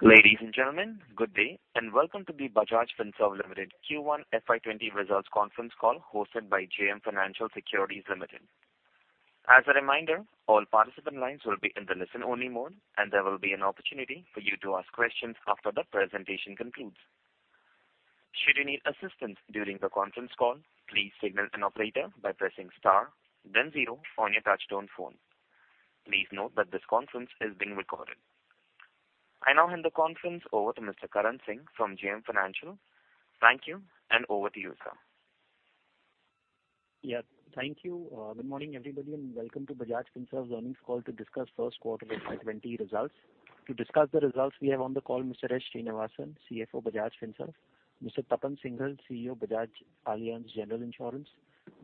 Ladies and gentlemen, good day, and welcome to the Bajaj Finserv Limited Q1 FY 2020 Results Conference call hosted by JM Financial Securities Limited. As a reminder, all participant lines will be in the listen only mode, and there will be an opportunity for you to ask questions after the presentation concludes. Should you need assistance during the conference call, please signal an operator by pressing star then zero on your touch-tone phone. Please note that this conference is being recorded. I now hand the conference over to Mr. Karan Singh from JM Financial. Thank you, and over to you, sir. Thank you. Good morning, everybody, and welcome to Bajaj Finserv's earnings call to discuss first quarter FY 2020 results. To discuss the results we have on the call, Mr. S. Sreenivasan, CFO, Bajaj Finserv, Mr. Tapan Singhel, CEO, Bajaj Allianz General Insurance,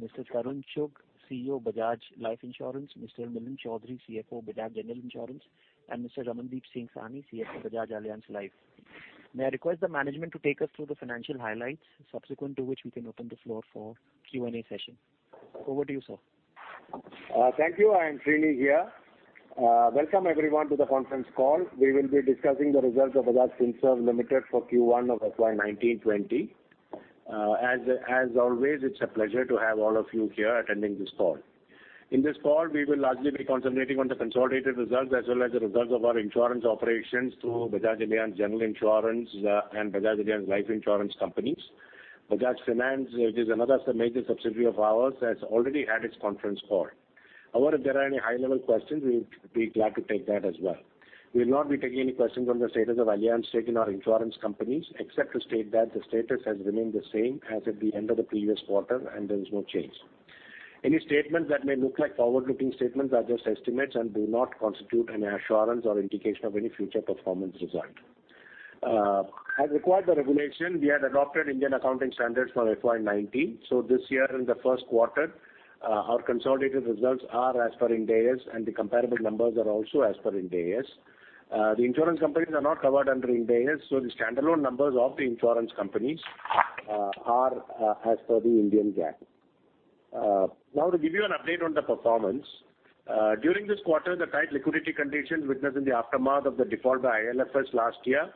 Mr. Tarun Chugh, CEO, Bajaj Life Insurance, Mr. Milind Choudhari, CFO, Bajaj General Insurance, and Mr. Ramandeep Singh Sahni, CFO, Bajaj Allianz Life. May I request the management to take us through the financial highlights, subsequent to which we can open the floor for Q&A session. Over to you, sir. Thank you. I am Sreeni here. Welcome everyone to the conference call. We will be discussing the results of Bajaj Finserv Limited for Q1 of FY 2019-2020. As always, it's a pleasure to have all of you here attending this call. In this call, we will largely be concentrating on the consolidated results as well as the results of our insurance operations through Bajaj Allianz General Insurance and Bajaj Allianz Life Insurance companies. Bajaj Finance, it is another major subsidiary of ours that's already had its conference call. However, if there are any high-level questions, we would be glad to take that as well. We'll not be taking any questions on the status of Allianz stake in our insurance companies, except to state that the status has remained the same as at the end of the previous quarter. There is no change. Any statements that may look like forward-looking statements are just estimates and do not constitute an assurance or indication of any future performance result. As required the regulation, we had adopted Indian Accounting Standards for FY 2019. This year in the first quarter, our consolidated results are as per Ind AS, and the comparable numbers are also as per Ind AS. The insurance companies are not covered under Ind AS. The standalone numbers of the insurance companies are as per the Indian GAAP. To give you an update on the performance. During this quarter, the tight liquidity conditions witnessed in the aftermath of the default by IL&FS last year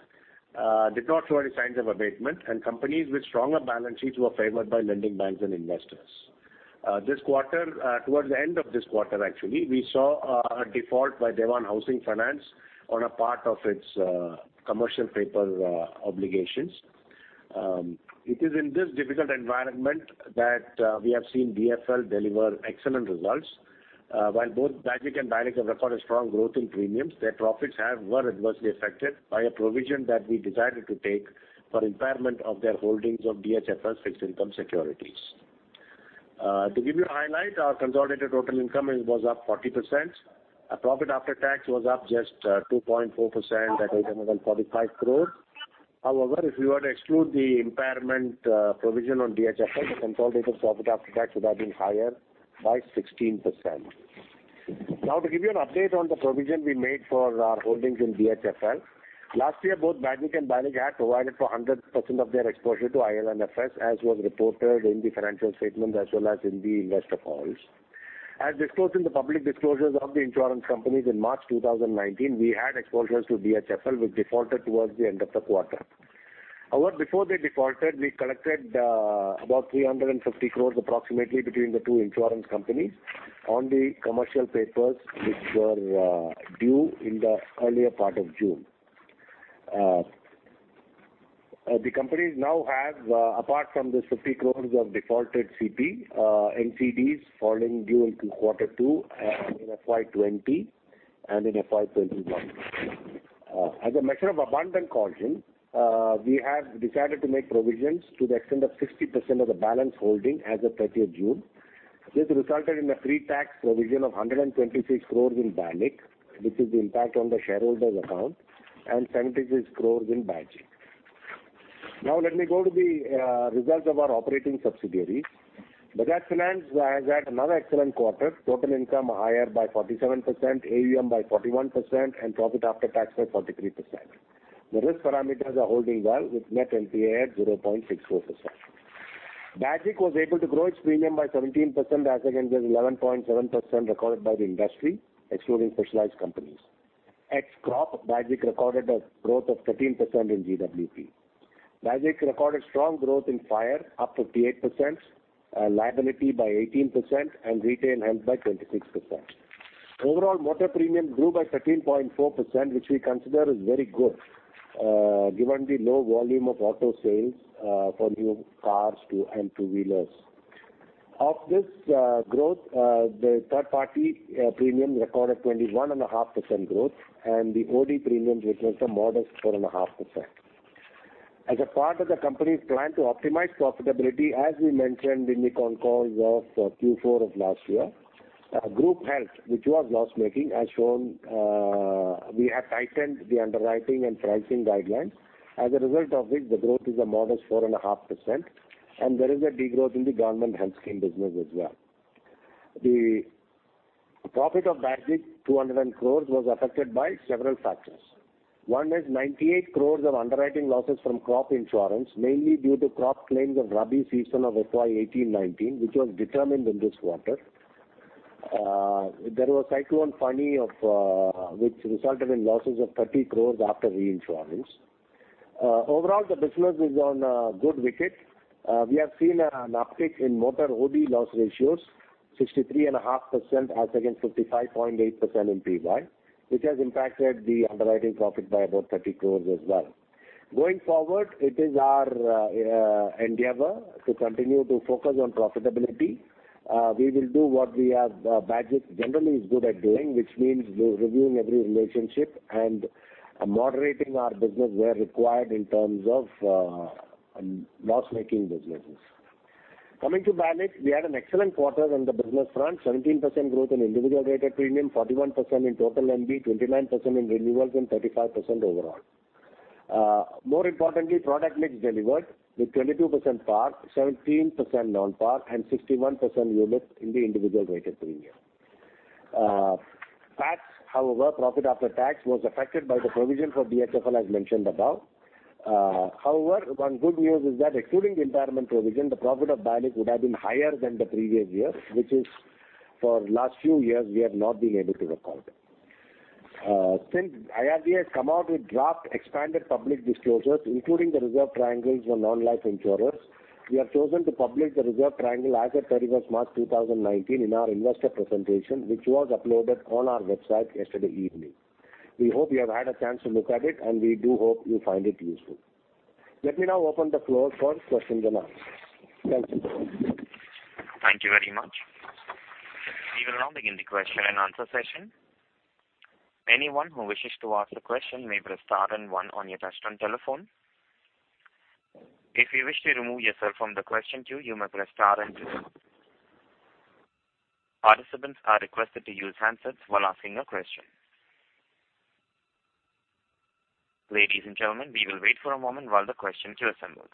did not show any signs of abatement. Companies with stronger balance sheets were favored by lending banks and investors. Towards the end of this quarter actually, we saw a default by Dewan Housing Finance on a part of its commercial paper obligations. It is in this difficult environment that we have seen BFL deliver excellent results. While both BAGIC and BALIC have recorded strong growth in premiums, their profits were adversely affected by a provision that we decided to take for impairment of their holdings of DHFL's fixed income securities. To give you a highlight, our consolidated total income was up 40%. Our profit after tax was up just 2.4% at 845 crore. However, if you were to exclude the impairment provision on DHFL, the consolidated profit after tax would have been higher by 16%. Now, to give you an update on the provision we made for our holdings in DHFL. Last year, both BAGIC and BALIC had provided for 100% of their exposure to IL&FS, as was reported in the financial statement as well as in the investor calls. As disclosed in the public disclosures of the insurance companies in March 2019, we had exposures to DHFL, which defaulted towards the end of the quarter. Before they defaulted, we collected about 350 crore approximately between the two insurance companies on the commercial papers which were due in the earlier part of June. The companies now have, apart from the 50 crore of defaulted CP, NCDs falling due in quarter two in FY 2020 and in FY 2021. As a measure of abundant caution, we have decided to make provisions to the extent of 60% of the balance holding as of 30th June. This resulted in a pre-tax provision of 126 crore in BALIC, which is the impact on the shareholder's account, and 76 crore in BAGIC. Now let me go to the results of our operating subsidiaries. Bajaj Finance has had another excellent quarter. Total income higher by 47%, AUM by 41%, and profit after tax by 43%. The risk parameters are holding well with net NPA at 0.64%. BAGIC was able to grow its premium by 17% as against the 11.7% recorded by the industry, excluding specialized companies. Ex-crop, BAGIC recorded a growth of 13% in GWP. BAGIC recorded strong growth in fire up 58%, liability by 18%, and retail health by 26%. Overall, motor premium grew by 13.4%, which we consider is very good given the low volume of auto sales from new cars and two-wheelers. Of this growth, the third-party premiums recorded 21.5% growth and the OD premiums witnessed a modest 4.5%. As a part of the company's plan to optimize profitability as we mentioned in the concalls of Q4 of last year, group health, which was loss-making. We have tightened the underwriting and pricing guidelines. The growth is a modest 4.5%, and there is a degrowth in the government health scheme business as well. The profit of BAGIC, 200 crore, was affected by several factors. One is 98 crore of underwriting losses from crop insurance, mainly due to crop claims of Rabi season of FY 2018-2019, which was determined in this quarter. There was Cyclone Fani, which resulted in losses of 30 crore after reinsurance. The business is on a good wicket. We have seen an uptick in motor OD loss ratios, 63.5% as against 55.8% in PY, which has impacted the underwriting profit by about 30 crores as well. Going forward, it is our endeavor to continue to focus on profitability. We will do what Bajaj generally is good at doing, which means reviewing every relationship and moderating our business where required in terms of loss-making businesses. Coming to BALIC, we had an excellent quarter on the business front, 17% growth in individual rated premium, 41% in total NB, 29% in renewals, and 35% overall. More importantly, product mix delivered with 22% PAR, 17% Non-PAR, and 61% unit in the individual rated premium. However, profit after tax was affected by the provision for DHFL, as mentioned above. However, one good news is that excluding the impairment provision, the profit of BALIC would have been higher than the previous year, which for the last few years we have not been able to record. Since IRDA has come out with draft expanded public disclosures, including the reserve triangles for non-life insurers, we have chosen to publish the reserve triangle as of 31st March 2019 in our investor presentation, which was uploaded on our website yesterday evening. We hope you have had a chance to look at it, and we do hope you find it useful. Let me now open the floor for questions and answers. Thank you. Thank you very much. We will now begin the question and answer session. Anyone who wishes to ask a question may press star and one on your touchtone telephone. If you wish to remove yourself from the question queue, you may press star and two. Participants are requested to use handsets while asking a question. Ladies and gentlemen, we will wait for a moment while the question queue assembles.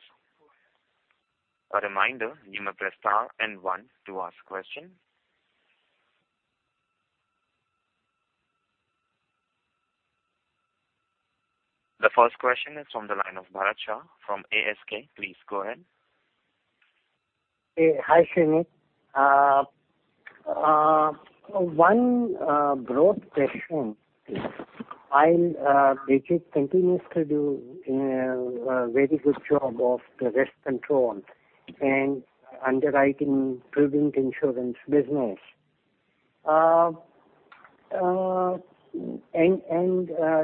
A reminder, you may press star and one to ask a question. The first question is from the line of Bharat Shah from ASK. Please go ahead. Hi, Sreeni. One broad question. While Bajaj continues to do a very good job of risk control and underwriting prudent insurance business.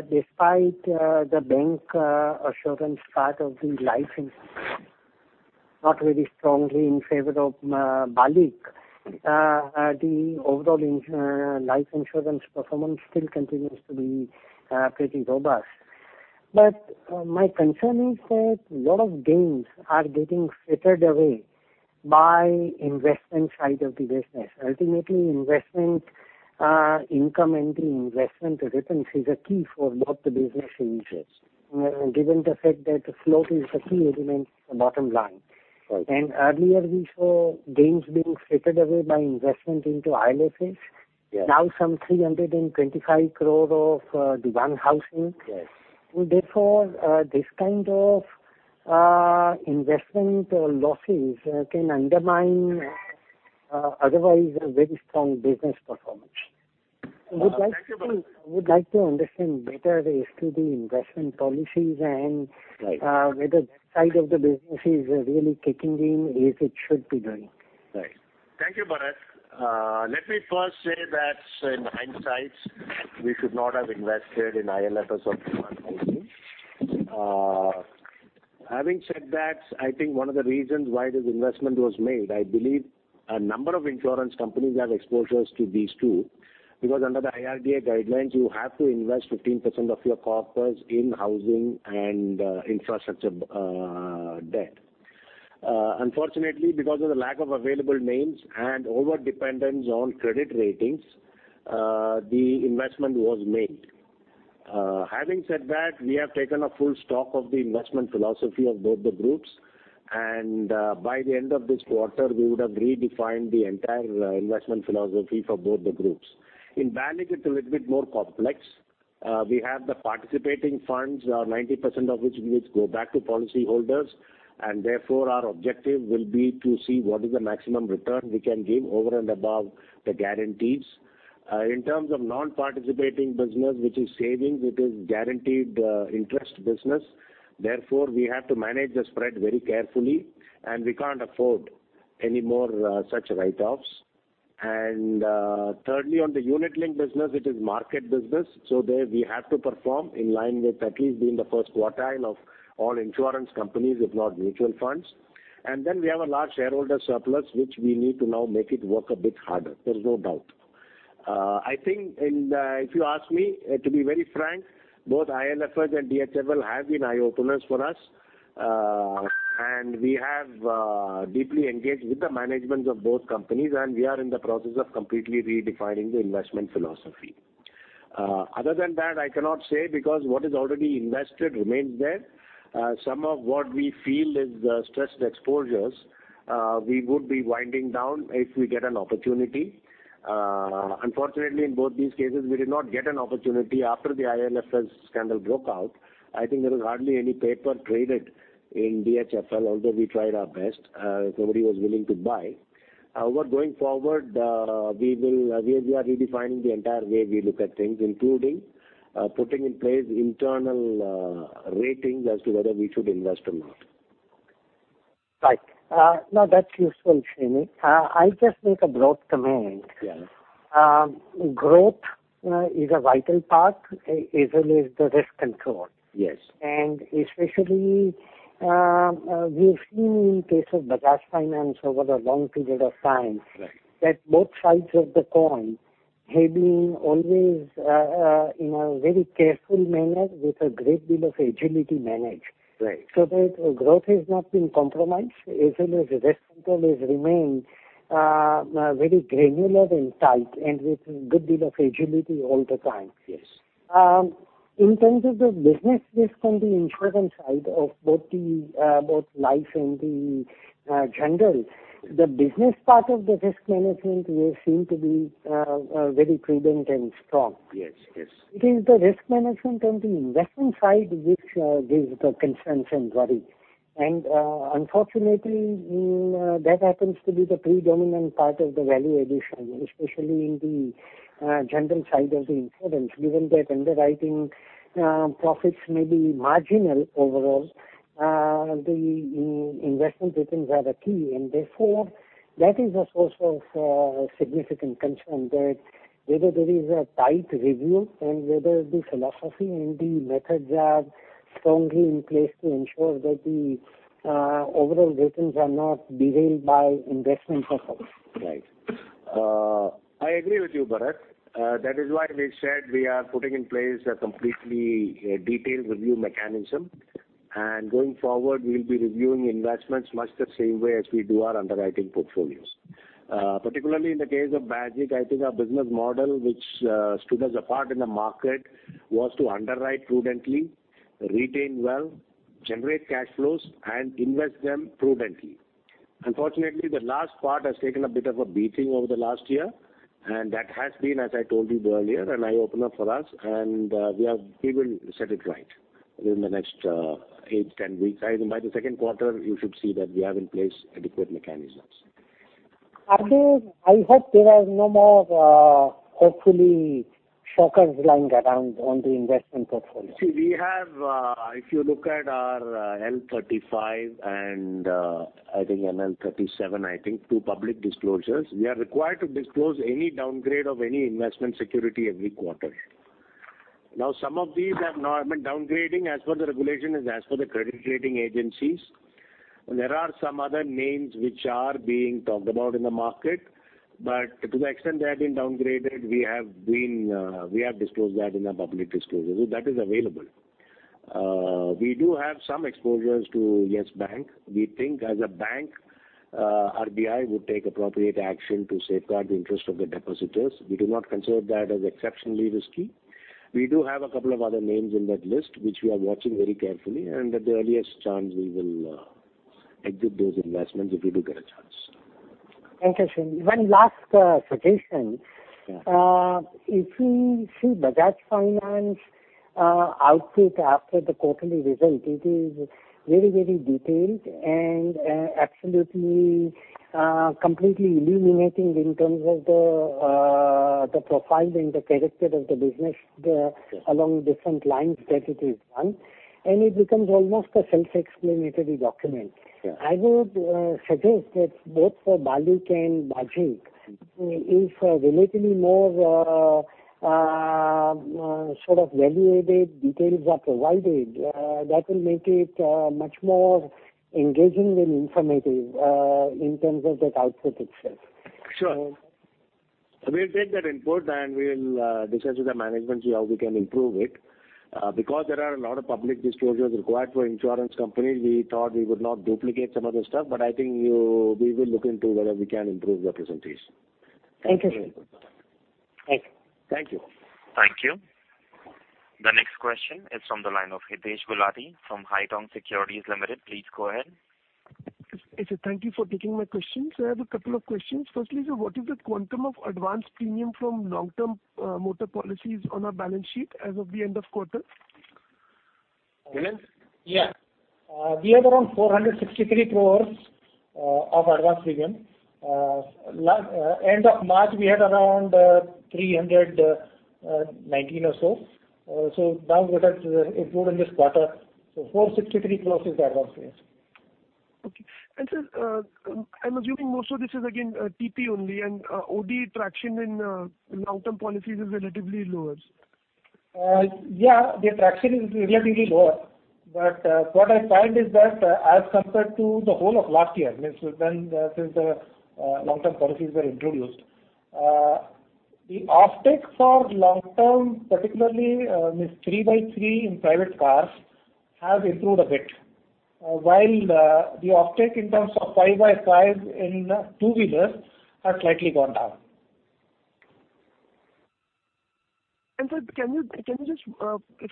Despite the bancassurance part of the life insurance not very strongly in favor of BALIC, the overall life insurance performance still continues to be pretty robust. My concern is that a lot of gains are getting frittered away by the investment side of the business. Ultimately, investment income and the investment returns is a key for both the business initiatives, given the fact that float is a key element bottom line. Right. Earlier we saw gains being frittered away by investment into IL&FS. Yes. Now some 325 crore of Dewan Housing. Yes. Therefore, this kind of investment losses can undermine otherwise a very strong business performance. Thank you, Bharat. Would like to understand better as to the investment policies. Right. whether that side of the business is really kicking in as it should be doing. Right. Thank you, Bharat. Let me first say that in hindsight, we should not have invested in IL&FS or Dewan Housing. Having said that, I think one of the reasons why this investment was made, I believe a number of insurance companies have exposures to these two, because under the IRDA guidelines, you have to invest 15% of your corpus in housing and infrastructure debt. Unfortunately, because of the lack of available names and overdependence on credit ratings, the investment was made. Having said that, we have taken a full stock of the investment philosophy of both the groups, and by the end of this quarter, we would have redefined the entire investment philosophy for both the groups. In BALIC, it's a little bit more complex. We have the participating funds, 90% of which units go back to policyholders. Therefore, our objective will be to see what is the maximum return we can give over and above the guarantees. In terms of non-participating business, which is savings, it is a guaranteed interest business. Therefore, we have to manage the spread very carefully, we can't afford any more such write-offs. Thirdly, on the unit link business, it is market business. There we have to perform in line with at least being the first quartile of all insurance companies, if not mutual funds. Then we have a large shareholder surplus, which we need to now make it work a bit harder. There's no doubt. I think if you ask me, to be very frank, both IL&FS and DHFL have been eye-openers for us. We have deeply engaged with the management of both companies. We are in the process of completely redefining the investment philosophy. Other than that, I cannot say because what is already invested remains there. Some of what we feel is stressed exposures, we would be winding down if we get an opportunity. Unfortunately, in both these cases, we did not get an opportunity after the IL&FS scandal broke out. I think there was hardly any paper traded in DHFL, although we tried our best. Nobody was willing to buy. Going forward, we are redefining the entire way we look at things, including putting in place internal ratings as to whether we should invest or not. Right. Now, that's useful, Sreenivasan. I just make a broad comment. Yes. Growth is a vital part, as well as the risk control. Yes. Especially, we've seen in case of Bajaj Finance over a long period of time. Right that both sides of the coin have been always in a very careful manner with a great deal of agility managed. Right. That growth has not been compromised as well as risk control has remained very granular and tight, and with good deal of agility all the time. Yes. In terms of the business risk on the insurance side of both life and the general, the business part of the risk management will seem to be very prudent and strong. Yes. It is the risk management on the investment side which gives the concerns and worry. Unfortunately, that happens to be the predominant part of the value addition, especially in the general side of the insurance. Given that underwriting profits may be marginal overall, the investment returns are the key. Therefore, that is a source of significant concern that whether there is a tight review and whether the philosophy and the methods are strongly in place to ensure that the overall returns are not derailed by investment performance. Right. I agree with you, Bharat. That is why we said we are putting in place a completely detailed review mechanism, and going forward, we'll be reviewing investments much the same way as we do our underwriting portfolios. Particularly in the case of BAGIC, I think our business model, which stood us apart in the market, was to underwrite prudently, retain well, generate cash flows, and invest them prudently. Unfortunately, the last part has taken a bit of a beating over the last year, and that has been, as I told you earlier, an eye-opener for us, and we will set it right within the next 8, 10 weeks. By the second quarter, you should see that we have in place adequate mechanisms. I hope there are no more, hopefully, shockers lying around on the investment portfolio. If you look at our L-35 and I think an L-37, I think, 2 public disclosures. We are required to disclose any downgrade of any investment security every quarter. Some of these have not been downgrading as per the regulation, as for the credit rating agencies. There are some other names which are being talked about in the market, but to the extent they have been downgraded, we have disclosed that in our public disclosures. That is available. We do have some exposures to Yes Bank. We think as a bank, RBI would take appropriate action to safeguard the interest of the depositors. We do not consider that as exceptionally risky. We do have a couple of other names in that list, which we are watching very carefully, and at the earliest chance, we will exit those investments if we do get a chance. Okay, Sreenivasan. One last suggestion. Yeah. If we see Bajaj Finance output after the quarterly result, it is very detailed and absolutely completely illuminating in terms of the profile and the character of the business along different lines that it is run, and it becomes almost a self-explanatory document. Sure. I would suggest that both for BALIC and BAGIC, if relatively more sort of evaluated details are provided, that will make it much more engaging and informative in terms of that output itself. Sure. We'll take that input, and we'll discuss with the management, see how we can improve it. There are a lot of public disclosures required for insurance companies, we thought we would not duplicate some of the stuff, but I think we will look into whether we can improve the presentation. Thank you, Sreenivasan. Thank you. Thank you. The next question is from the line of Hitesh Gulati from Haitong Securities Limited. Please go ahead. Thank you for taking my question. Sir, I have a couple of questions. Firstly, sir, what is the quantum of advanced premium from long-term motor policies on our balance sheet as of the end of quarter? Milind? Yeah. We have around 463 crores of advanced premium. End of March, we had around 319 or so. Now that has improved in this quarter. 463 crores is the advanced premium. Okay. Sir, I'm assuming most of this is again, TP only and OD traction in long-term policies is relatively lower. Yeah, the traction is relatively lower. What I find is that as compared to the whole of last year, means since the long-term policies were introduced, the offtake for long term, particularly means three by three in private cars, has improved a bit, while the offtake in terms of five by five in two-wheelers are slightly gone down. Sir, can you just,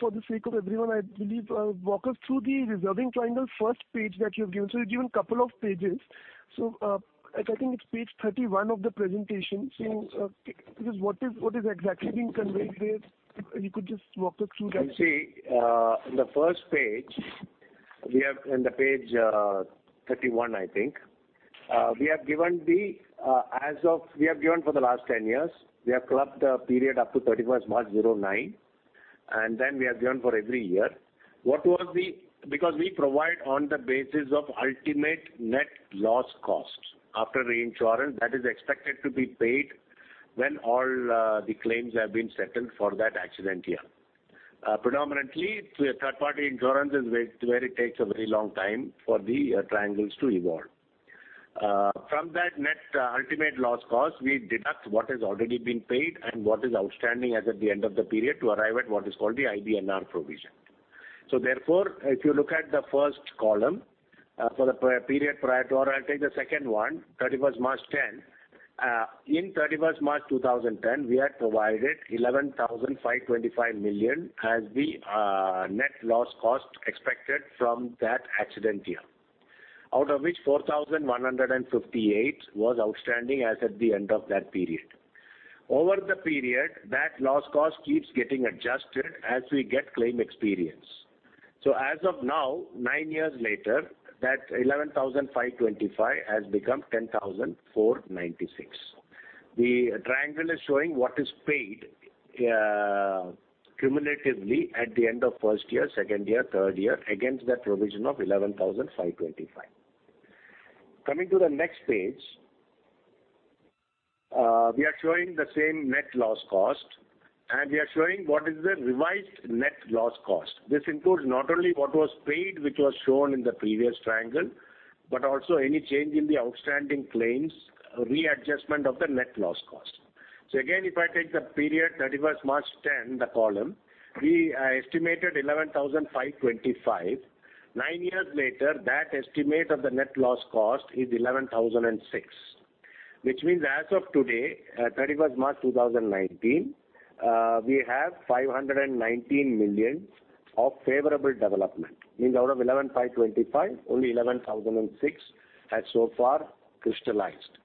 for the sake of everyone, I believe, walk us through the reserving triangle first page that you've given. You've given a couple of pages. I think it's page 31 of the presentation. Just what is exactly being conveyed there? You could just walk us through that. In the first page, in the page 31, I think. We have given for the last 10 years. We have clubbed the period up to 31st March 2009. We have given for every year. We provide on the basis of ultimate net loss costs after reinsurance, that is expected to be paid when all the claims have been settled for that accident year. Predominantly, third-party insurance is where it takes a very long time for the triangles to evolve. From that net ultimate loss cost, we deduct what has already been paid and what is outstanding as at the end of the period to arrive at what is called the IBNR provision. If you look at the first column for the period prior to, or I'll take the second one, 31st March 2010. 31st March 2010, we had provided 11,525 million as the net loss cost expected from that accident year. Out of which, 4,158 was outstanding as at the end of that period. Over the period, that loss cost keeps getting adjusted as we get claim experience. As of now, nine years later, that 11,525 has become 10,496. The triangle is showing what is paid cumulatively at the end of first year, second year, third year, against that provision of 11,525. Coming to the next page, we are showing the same net loss cost, and we are showing what is the revised net loss cost. This includes not only what was paid, which was shown in the previous triangle, but also any change in the outstanding claims, readjustment of the net loss cost. Again, if I take the period 31st March 2010, the column, we estimated 11,525. Nine years later, that estimate of the net loss cost is 11,006. Which means as of today, 31st March 2019, we have 519 million of favorable development. Means out of 11,525, only 11,006 has so far crystallized.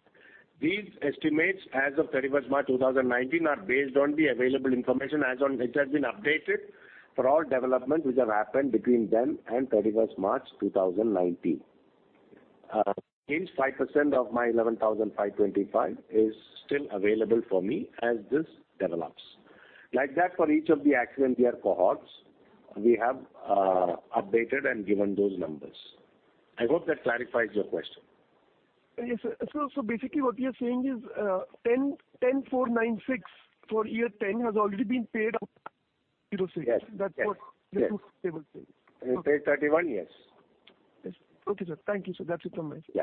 These estimates as of 31st March 2019 are based on the available information as on which has been updated for all developments which have happened between then and 31st March 2019. Hence 5% of my 11,525 is still available for me as this develops. Like that for each of the accident year cohorts, we have updated and given those numbers. I hope that clarifies your question. Yes, sir. Basically what you're saying is 10,496 for year 10 has already been paid out 2006. Yes. That's what the table says. In page 31, yes. Yes. Okay, sir. Thank you, sir. That's it from my side. Yeah.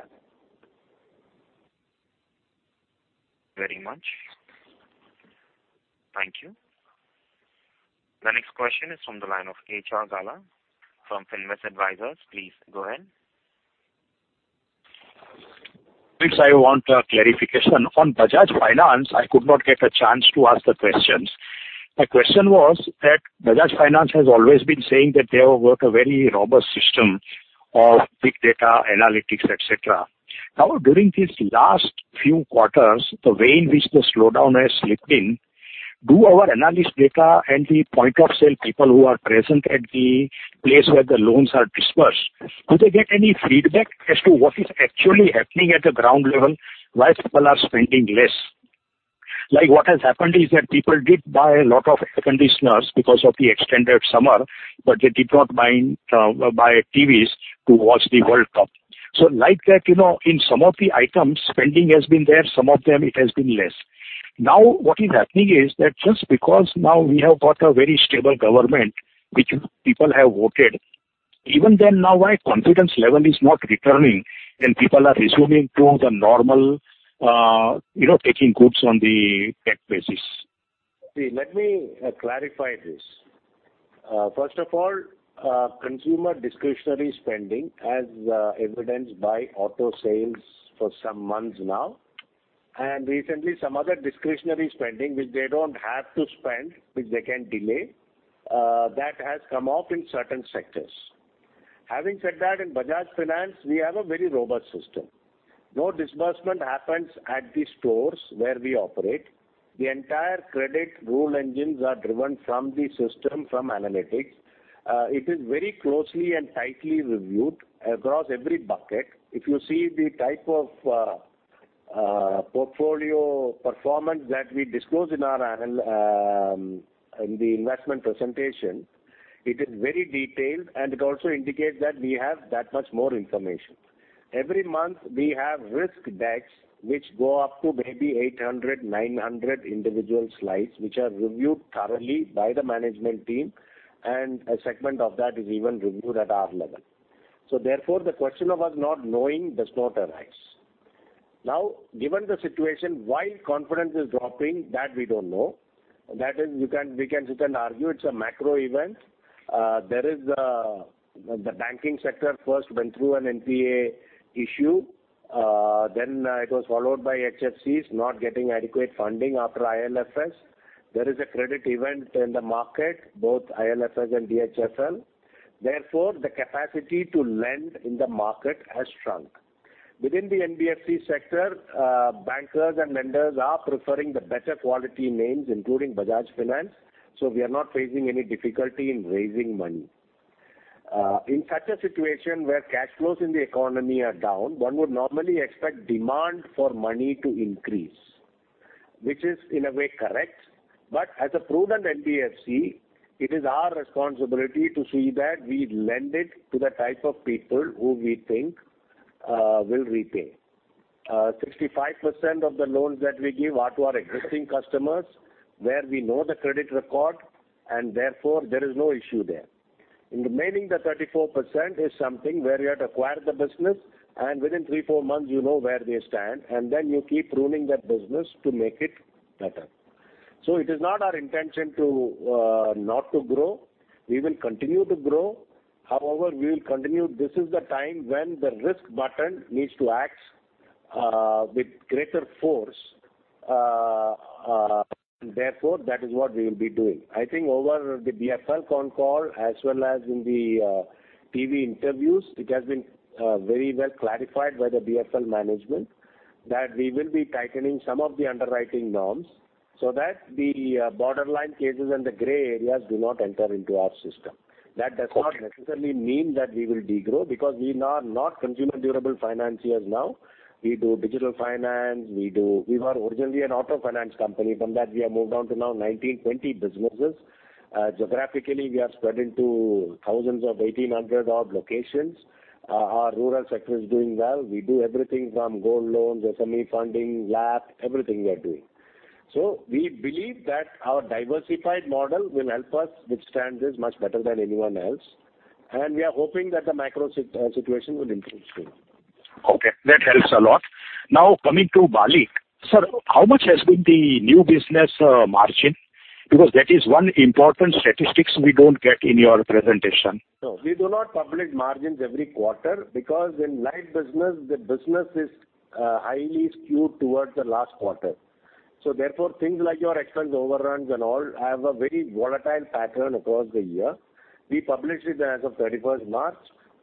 Very much. Thank you. The next question is from the line of HR Gala from Finvest Advisors. Please go ahead. Yes, I want clarification. On Bajaj Finance, I could not get a chance to ask the questions. My question was that Bajaj Finance has always been saying that they have worked a very robust system of big data analytics, et cetera. During these last few quarters, the way in which the slowdown has slipped in, do our analyst data and the point-of-sale people who are present at the place where the loans are disbursed, do they get any feedback as to what is actually happening at the ground level, why people are spending less? What has happened is that people did buy a lot of air conditioners because of the extended summer, but they did not buy TVs to watch the World Cup. Like that, in some of the items, spending has been there, some of them it has been less. What is happening is that just because now we have got a very stable government which people have voted, even then now why confidence level is not returning and people are resuming to the normal taking goods on the cash basis. Let me clarify this. First of all, consumer discretionary spending as evidenced by auto sales for some months now, and recently some other discretionary spending which they don't have to spend, which they can delay, that has come off in certain sectors. Having said that, in Bajaj Finance, we have a very robust system. No disbursement happens at the stores where we operate. The entire credit rule engines are driven from the system, from analytics. It is very closely and tightly reviewed across every bucket. If you see the type of portfolio performance that we disclose in the investment presentation, it is very detailed, and it also indicates that we have that much more information. Every month, we have risk decks, which go up to maybe 800, 900 individual slides, which are reviewed thoroughly by the management team, and a segment of that is even reviewed at our level. Therefore, the question of us not knowing does not arise. Given the situation, why confidence is dropping, that we don't know. That is, we can sit and argue it's a macro event. There is the banking sector first went through an NPA issue, then it was followed by HFCs not getting adequate funding after IL&FS. There is a credit event in the market, both IL&FS and DHFL. Therefore, the capacity to lend in the market has shrunk. Within the NBFC sector, bankers and lenders are preferring the better quality names, including Bajaj Finance, we are not facing any difficulty in raising money. In such a situation where cash flows in the economy are down, one would normally expect demand for money to increase, which is in a way correct, but as a prudent NBFC, it is our responsibility to see that we lend it to the type of people who we think will repay. 65% of the loans that we give are to our existing customers, where we know the credit record, and therefore, there is no issue there. In the remaining 34% is something where you have to acquire the business, and within three, four months you know where they stand, and then you keep pruning that business to make it better. It is not our intention not to grow. We will continue to grow. However, we will continue. This is the time when the risk button needs to act with greater force. Therefore, that is what we will be doing. I think over the BSL con call as well as in the TV interviews, it has been very well clarified by the BSL management that we will be tightening some of the underwriting norms so that the borderline cases and the gray areas do not enter into our system. Okay. That does not necessarily mean that we will de-grow because we are not consumer durable financiers now. We do digital finance. We were originally an auto finance company. From that, we have moved on to now 19, 20 businesses. Geographically, we are spread into thousands of 1,800 odd locations. Our rural sector is doing well. We do everything from gold loans, SME funding, LAP, everything we are doing. So we believe that our diversified model will help us withstand this much better than anyone else, and we are hoping that the macro situation will improve soon. Okay, that helps a lot. Now, coming to BALIC, sir, how much has been the new business margin? Because that is one important statistic we don't get in your presentation. No. We do not publish margins every quarter because in life business, the business is highly skewed towards the last quarter. Therefore, things like your expense overruns and all have a very volatile pattern across the year. We publish it as of 31st March.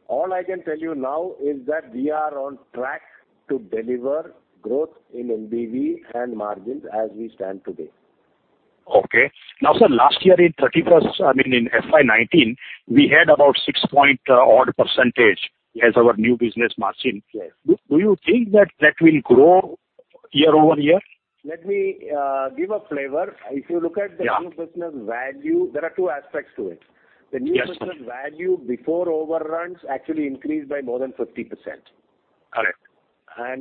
All I can tell you now is that we are on track to deliver growth in NBV and margins as we stand today. Okay. Sir, last year in FY 2019, we had about six point odd % as our new business margin. Yes. Do you think that will grow year-over-year? Let me give a flavor. Yeah. If you look at the new business value, there are two aspects to it. Yes, sir. The new business value before overruns actually increased by more than 50%. Correct.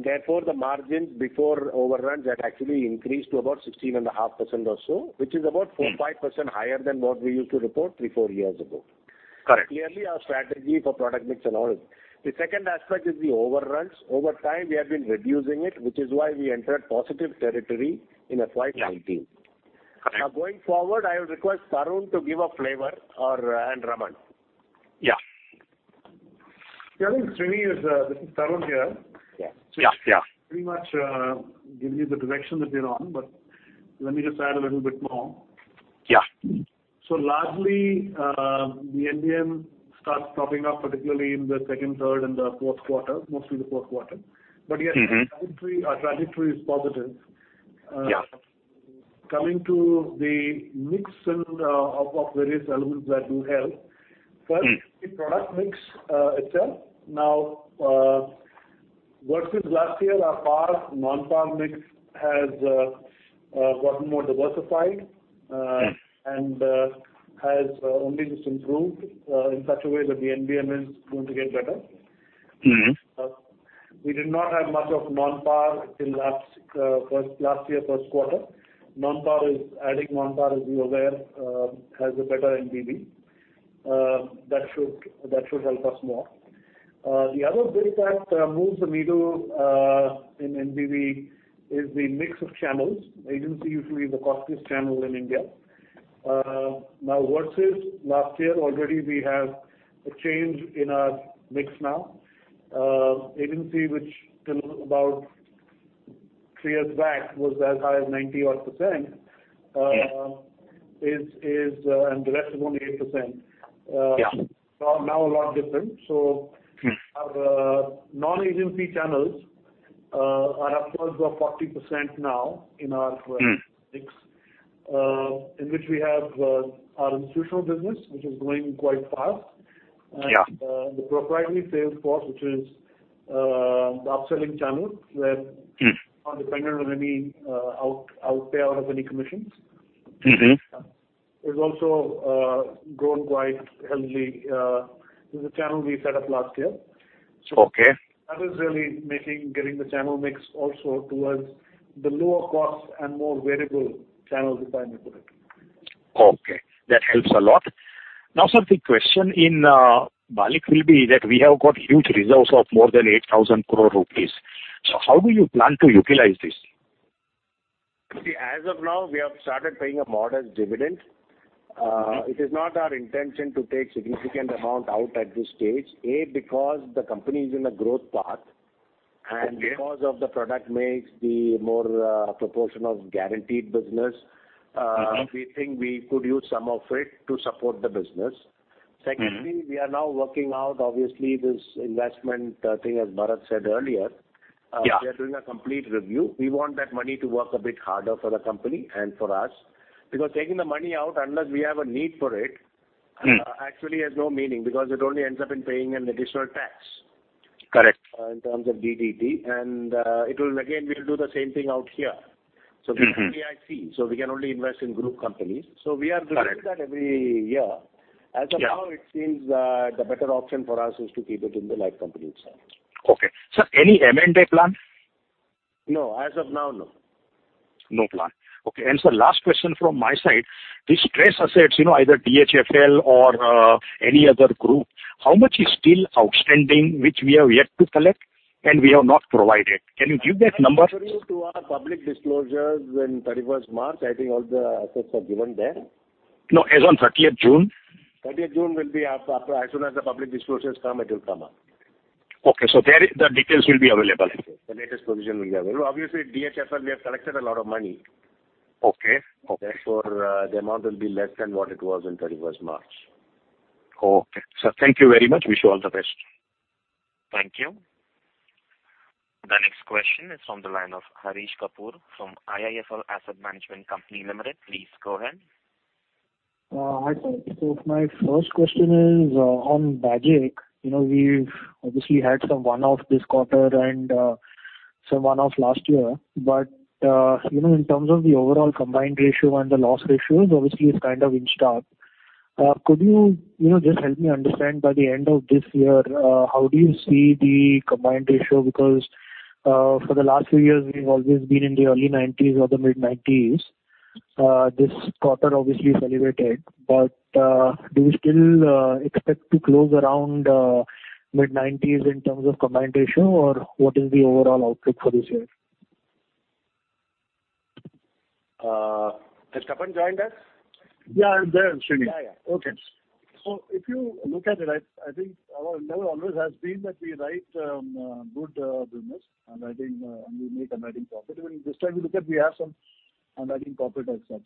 Therefore, the margins before overruns had actually increased to about 16.5% or so, which is about 4%, 5% higher than what we used to report three, four years ago. Correct. Clearly our strategy for product mix and all. The second aspect is the overruns. Over time, we have been reducing it, which is why we entered positive territory in FY 2019. Correct. Going forward, I would request Tarun to give a flavor and Raman. Yeah. Yeah, I think This is Tarun here. Yeah. Yeah. Pretty much giving you the direction that we are on. Let me just add a little bit more. Yeah. largely, the NBV starts propping up, particularly in the second, third, and the fourth quarter, mostly the fourth quarter. Yes, our trajectory is positive. Yeah. Coming to the mix of various elements that do help. First, the product mix itself. Now, versus last year, our PAR, Non-PAR mix has gotten more diversified and has only just improved in such a way that the NBV is going to get better. We did not have much of Non-PAR till last year first quarter. Adding Non-PAR, as you're aware, has a better NBV. That should help us more. The other big fact that moves the needle in NBV is the mix of channels. Agency usually is the costliest channel in India. Versus last year already we have a change in our mix now. Agency, which till about three years back was as high as 90 odd%, and the rest is only 8%. Yeah. Now a lot different. Our non-agency channels are upwards of 40% now in our mix, in which we have our institutional business, which is growing quite fast. Yeah. The proprietary sales force, which is the upselling channel where we're not dependent on any payout of any commissions. It has also grown quite healthy. This is a channel we set up last year. Okay. That is really getting the channel mix also towards the lower cost and more variable channels if I may put it. Okay. That helps a lot. Sir, the question in BALIC will be that we have got huge results of more than 8,000 crore rupees. How do you plan to utilize this? As of now, we have started paying a modest dividend. It is not our intention to take significant amount out at this stage. Because the company is in a growth path, and because of the product mix, the more proportion of guaranteed business, we think we could use some of it to support the business. Secondly, we are now working out, obviously, this investment thing, as Bharat said earlier. Yeah. We are doing a complete review. We want that money to work a bit harder for the company and for us, because taking the money out, unless we have a need for it, actually has no meaning because it only ends up in paying an additional tax. Correct. In terms of DDT. Again, we'll do the same thing out here. We’re only IC, so we can only invest in group companies. Correct. We are doing that every year. As of now, it seems the better option for us is to keep it in the life company itself. Okay. Sir, any M&A plan? No. As of now, no. No plan. Okay. Sir, last question from my side. These stress assets, either DHFL or any other group, how much is still outstanding, which we are yet to collect and we have not provided? Can you give that number? I refer you to our public disclosures on 31st March, I think all the assets are given there. No, as on 30th June. 30th June will be as soon as the public disclosures come, it will come up. Okay. There, the details will be available. The latest provision will be available. Obviously, DHFL, we have collected a lot of money. Okay. Therefore, the amount will be less than what it was on 31st March. Okay. Sir, thank you very much. Wish you all the best. Thank you. The next question is from the line of Haresh Kapoor from IIFL Asset Management Limited. Please go ahead. Haresh Kapoor. My first question is on BAGIC. We've obviously had some one-off this quarter and some one-off last year. In terms of the overall combined ratio and the loss ratios, obviously it's kind of in stark. Could you just help me understand by the end of this year, how do you see the combined ratio? For the last few years, we've always been in the early 90s or the mid-90s. This quarter obviously elevated, but do we still expect to close around mid-90s in terms of combined ratio, or what is the overall outlook for this year? Has Tapan joined us? Yeah, I'm there, Srini. Yeah. Okay. If you look at it, I think our endeavor always has been that we write good business and we make underwriting profit. Even this time you look at, we have some underwriting profit as such.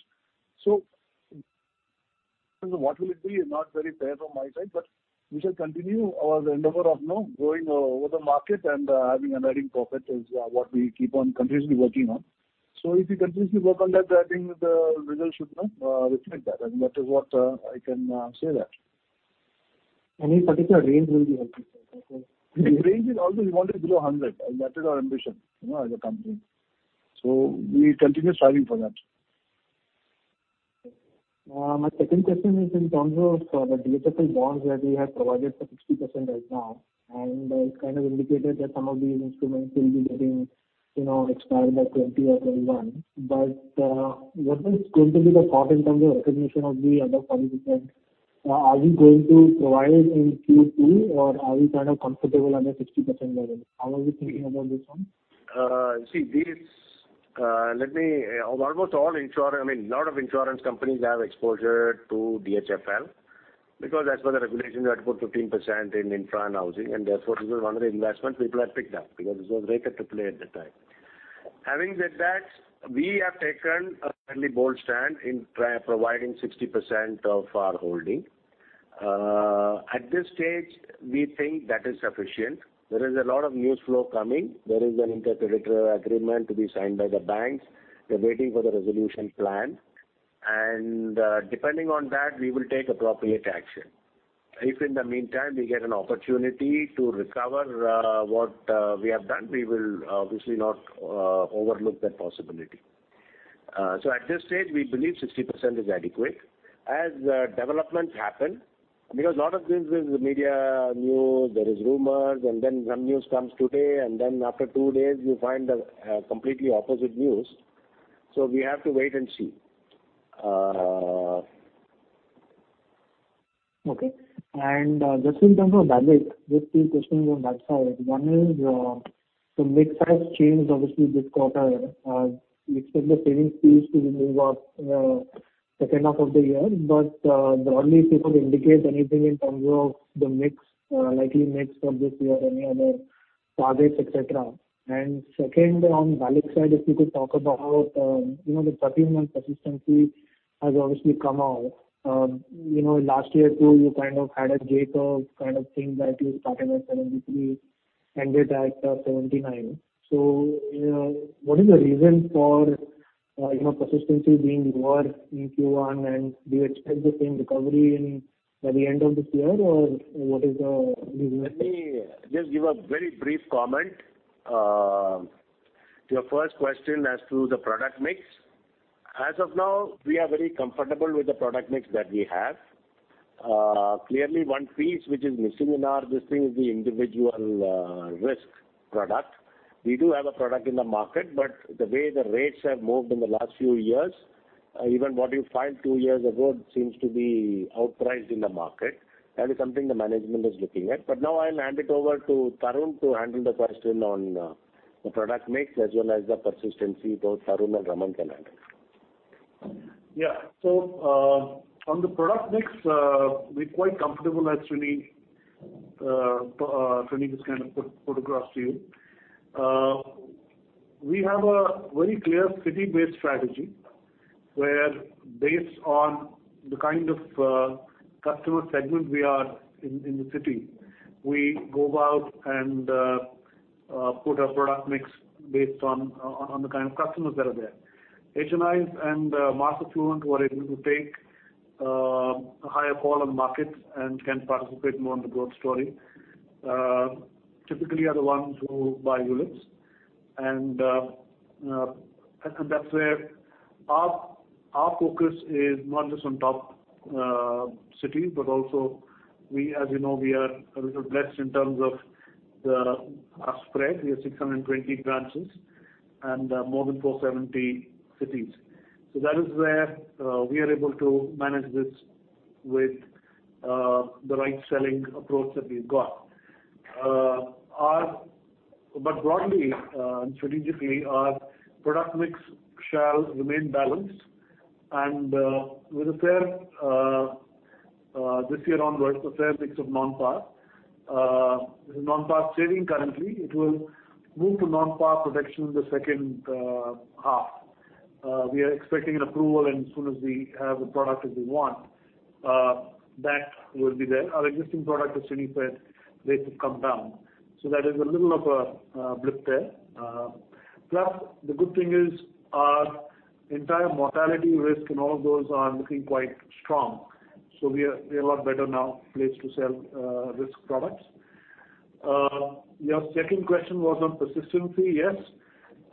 What will it be is not very clear from my side, but we shall continue our endeavor of going over the market and having underwriting profit is what we keep on continuously working on. If you continuously work on that, I think the result should reflect that, and that is what I can say that. Any particular range will be helpful, sir. Range is also we want to grow 100. That is our ambition as a company. We continue striving for that. My second question is in terms of the DHFL bonds where we have provided for 60% right now, and it's kind of indicated that some of these instruments will be getting expired by 2020 or 2021. What is going to be the thought in terms of recognition of the above 40%? Are you going to provide in Q2 or are you kind of comfortable under 60% level? How are you thinking about this one? I mean, lot of insurance companies have exposure to DHFL because as per the regulation, you have to put 15% in infra and housing, and therefore this is one of the investments people had picked up because it was rated AAA at that time. Having said that, we have taken a fairly bold stand in providing 60% of our holding. At this stage, we think that is sufficient. There is a lot of news flow coming. There is an inter-creditor agreement to be signed by the banks. We're waiting for the resolution plan. Depending on that, we will take appropriate action. If in the meantime, we get an opportunity to recover what we have done, we will obviously not overlook that possibility. At this stage, we believe 60% is adequate. As developments happen, because a lot of this is media news, there is rumors, and then some news comes today, and then after two days, you find the completely opposite news. We have to wait and see. Okay. Just in terms of BALIC, just few questions on that side. One is, the mix has changed obviously this quarter. We expect the savings fees to move up second half of the year, but broadly, if you could indicate anything in terms of the mix, likely mix for this year and any other targets, et cetera. Second, on BALIC side, if you could talk about the 13-month persistency has obviously come out. Last year too, you kind of had a J curve kind of thing that you started at 73, ended at 79. What is the reason for persistency being lower in Q1, and do you expect the same recovery in by the end of this year, or what is the reason? Let me just give a very brief comment to your first question as to the product mix. As of now, we are very comfortable with the product mix that we have. Clearly, one piece which is missing in our this thing is the individual risk product. We do have a product in the market, but the way the rates have moved in the last few years. Even what you filed two years ago seems to be outpriced in the market. That is something the management is looking at. Now I'll hand it over to Tarun to handle the question on the product mix as well as the persistency. Both Tarun and Raman can handle. Yeah. On the product mix, we're quite comfortable as Sreeni just put across to you. We have a very clear city-based strategy, where based on the kind of customer segment we are in the city, we go out and put a product mix based on the kind of customers that are there. HNIs and mass affluent who are able to take a higher call on markets and can participate more in the growth story, typically are the ones who buy ULIPs. That's where our focus is not just on top cities, but also, as you know, we are a little blessed in terms of our spread. We have 620 branches and more than 470 cities. That is where we are able to manage this with the right selling approach that we've got. Broadly and strategically, our product mix shall remain balanced and with a fair, this year onwards, a fair mix of Non-PAR. It is Non-PAR saving currently. It will move to Non-PAR protection in the second half. We are expecting an approval, and as soon as we have a product that we want, that will be there. Our existing product is seeing fair rates have come down, so that is a little of a blip there. Plus, the good thing is our entire mortality risk and all of those are looking quite strong. We are in a lot better place now to sell risk products. Your second question was on persistency. Yes,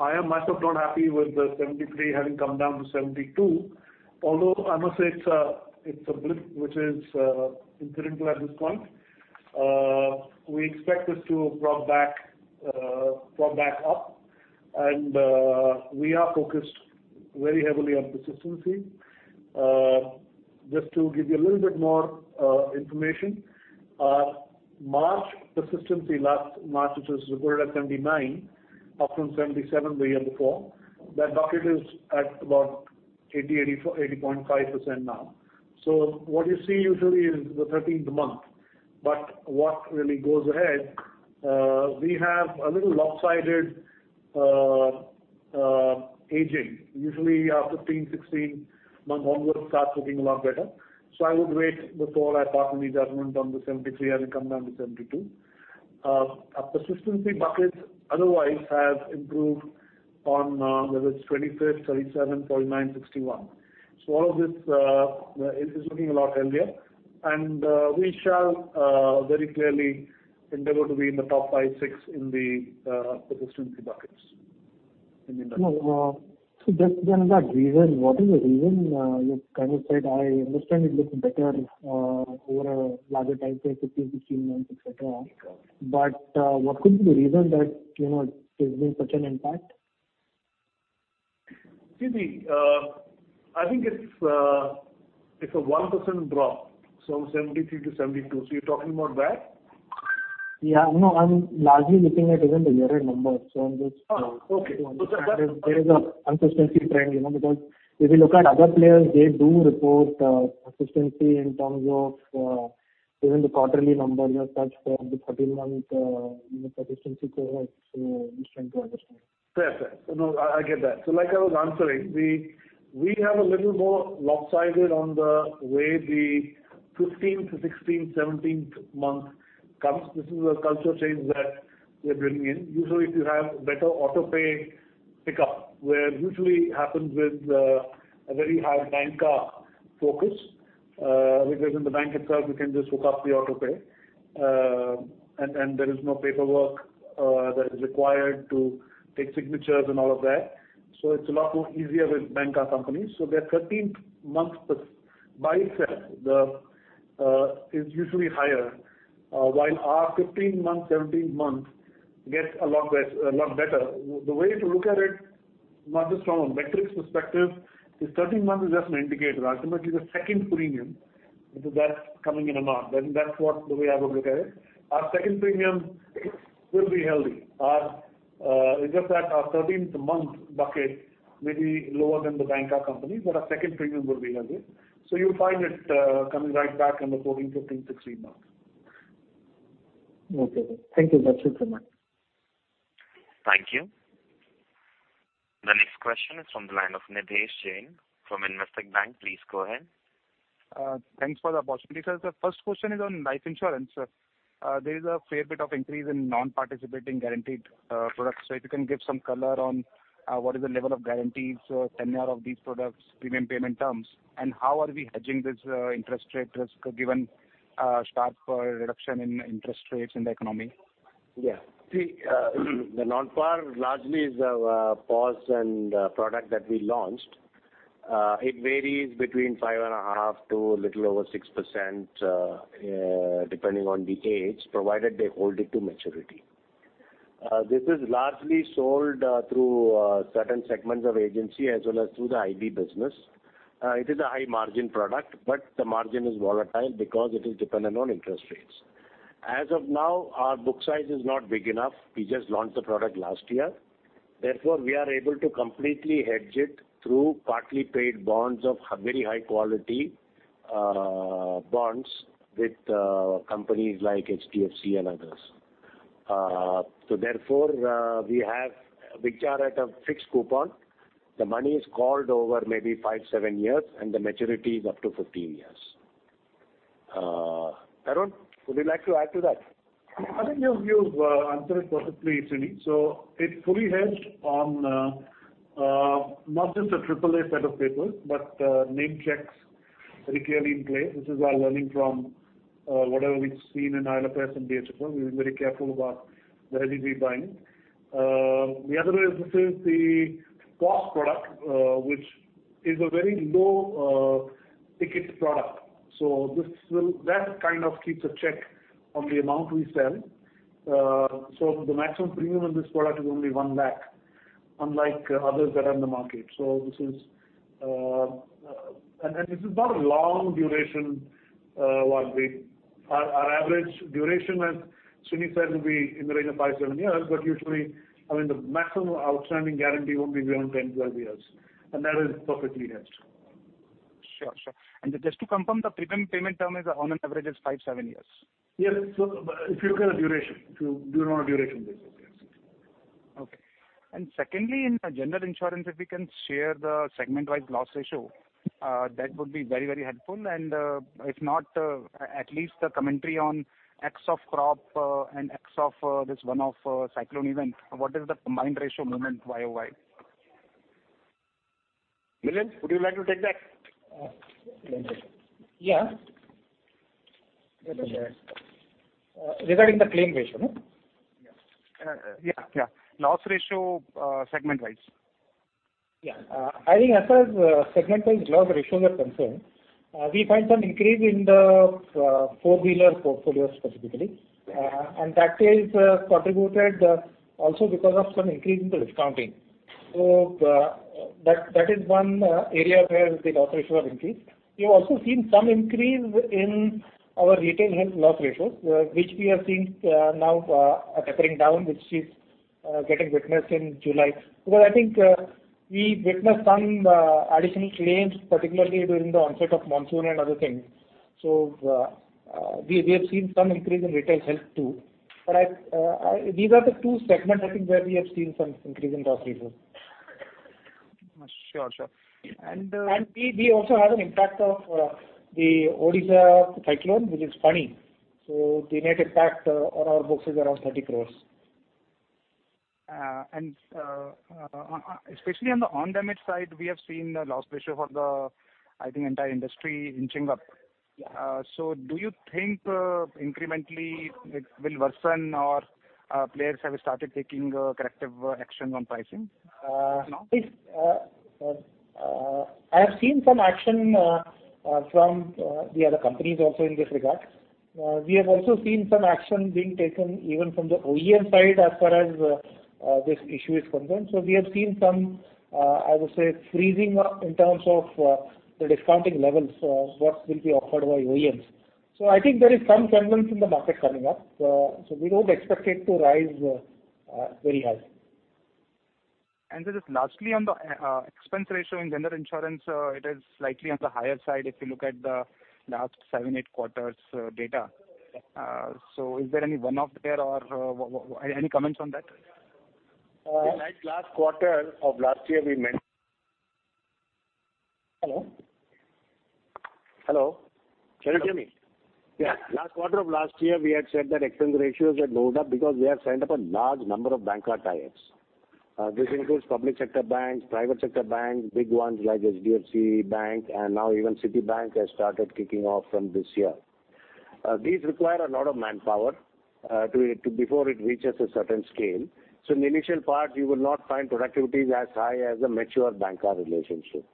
I am myself not happy with the 73 having come down to 72. Although I must say it's a blip which is incidental at this point. We expect this to prop back up, and we are focused very heavily on persistency. Just to give you a little bit more information, our March persistency last March, which was reported at 79%, up from 77% the year before. That bucket is at about 80.5% now. What you see usually is the 13th month. What really goes ahead, we have a little lopsided aging. Usually, our 15, 16 month onwards starts looking a lot better. I would wait before I pass any judgment on the 73% having come down to 72%. Our persistency buckets otherwise have improved on whether it's 25th, 37, 49, 61. All of this is looking a lot healthier, and we shall very clearly endeavor to be in the top five, six in the persistency buckets in the industry. Just then that reason, what is the reason? You've said, I understand it looking better over a larger time frame, 15, 16 months, et cetera. Correct. What could be the reason that it's made such an impact? I think it's a 1% drop from 73 to 72. You're talking about that? Yeah. No, I'm largely looking at even the year-end numbers. Oh, okay. trying to understand if there is a consistency trend, because if you look at other players, they do report consistency in terms of even the quarterly numbers as such for the 13-month persistency cohorts. Just trying to understand. Fair. No, I get that. Like I was answering, we have a little more lopsided on the way the 15th to 16th, 17th month comes. This is a cultural change that we're bringing in. Usually, if you have better auto-pay pickup, where it usually happens with a very high banca focus because in the bank itself, you can just hook up the auto-pay. There is no paperwork that is required to take signatures and all of that. It's a lot more easier with banca companies. Their 13th month by itself is usually higher while our 15 month, 17 month gets a lot better. The way to look at it, not just from a metrics perspective, this 13 month is just an indicator. Ultimately, the second premium, because that's coming in a month. I think that's what the way I would look at it. Our second premium will be healthy. It's just that our 13th-month bucket may be lower than the banca company, but our second premium will be healthy. You'll find it coming right back in the 14, 15, 16 months. Okay. Thank you. That's it from me. Thank you. The next question is from the line of Nidhesh Jain from Investec Bank. Please go ahead. Thanks for the opportunity, sir. The first question is on life insurance, sir. There is a fair bit of increase in Non-participating guaranteed products. If you can give some color on what is the level of guarantees, tenure of these products, premium payment terms, and how are we hedging this interest rate risk given sharp reduction in interest rates in the economy? Yeah. See, the Non-PAR largely is a pause and a product that we launched. It varies between five and a half to a little over 6%, depending on the age, provided they hold it to maturity. This is largely sold through certain segments of agency as well as through the IB business. It is a high margin product, but the margin is volatile because it is dependent on interest rates. As of now, our book size is not big enough. We just launched the product last year. We are able to completely hedge it through partly paid bonds of very high quality bonds with companies like HDFC and others. We have, which are at a fixed coupon. The money is called over maybe five, seven years, and the maturity is up to 15 years. Tarun, would you like to add to that? I think you've answered it perfectly, Sreeni. It's fully hedged on not just a triple-A set of papers, but name checks very clearly in place. This is our learning from whatever we've seen in IL&FS and DHFL. We were very careful about where we're buying. The other way is this is the cost product, which is a very low-ticket product. That kind of keeps a check on the amount we sell. The maximum premium on this product is only 1 lakh, unlike others that are in the market. This is not a long duration one. Our average duration, as Sreeni said, will be in the range of 5-7 years, but usually, the maximum outstanding guarantee would be around 10-12 years, and that is perfectly hedged. Sure. Just to confirm, the prepayment term is on an average is five, seven years. Yes. If you look at the duration, if you do it on a duration basis, yes. Okay. Secondly, in general insurance, if we can share the segment-wide loss ratio, that would be very helpful. If not, at least the commentary on X of crop and X of this one-off cyclone event, what is the combined ratio movement YOY? Nitin, would you like to take that? Yeah. Regarding the claim ratio? Yeah. Loss ratio, segment-wise. I think as far as segment-wise loss ratios are concerned, we find some increase in the four-wheeler portfolio specifically, and that is contributed also because of some increase in the discounting. That is one area where the loss ratios have increased. We have also seen some increase in our retail health loss ratios, which we are seeing now tapering down, which is getting witnessed in July. I think we witnessed some additional claims, particularly during the onset of monsoon and other things. We have seen some increase in retail health too. These are the two segments, I think, where we have seen some increase in loss ratios. Sure. We also have an impact of the Odisha cyclone, which is Fani. The net impact on our books is around 30 crores. Especially on the own damage side, we have seen the loss ratio for the, I think, entire industry inching up. Do you think incrementally it will worsen or players have started taking corrective actions on pricing now? I have seen some action from the other companies also in this regard. We have also seen some action being taken even from the OEM side as far as this issue is concerned. We have seen some, I would say, freezing up in terms of the discounting levels, what will be offered by OEMs. I think there is some semblance in the market coming up. We don't expect it to rise very high. Just lastly, on the expense ratio in general insurance, it is slightly on the higher side if you look at the last seven, eight quarters' data. Is there any one-off there or any comments on that? Last quarter of last year we met. Hello? Hello. Can you hear me? Yeah. Last quarter of last year, we had said that expense ratios had load up because we have signed up a large number of bancassurance ties. This includes public sector banks, private sector banks, big ones like HDFC Bank, and now even Citibank has started kicking off from this year. These require a lot of manpower before it reaches a certain scale. In the initial part, you will not find productivity as high as a mature bancassurance relationship.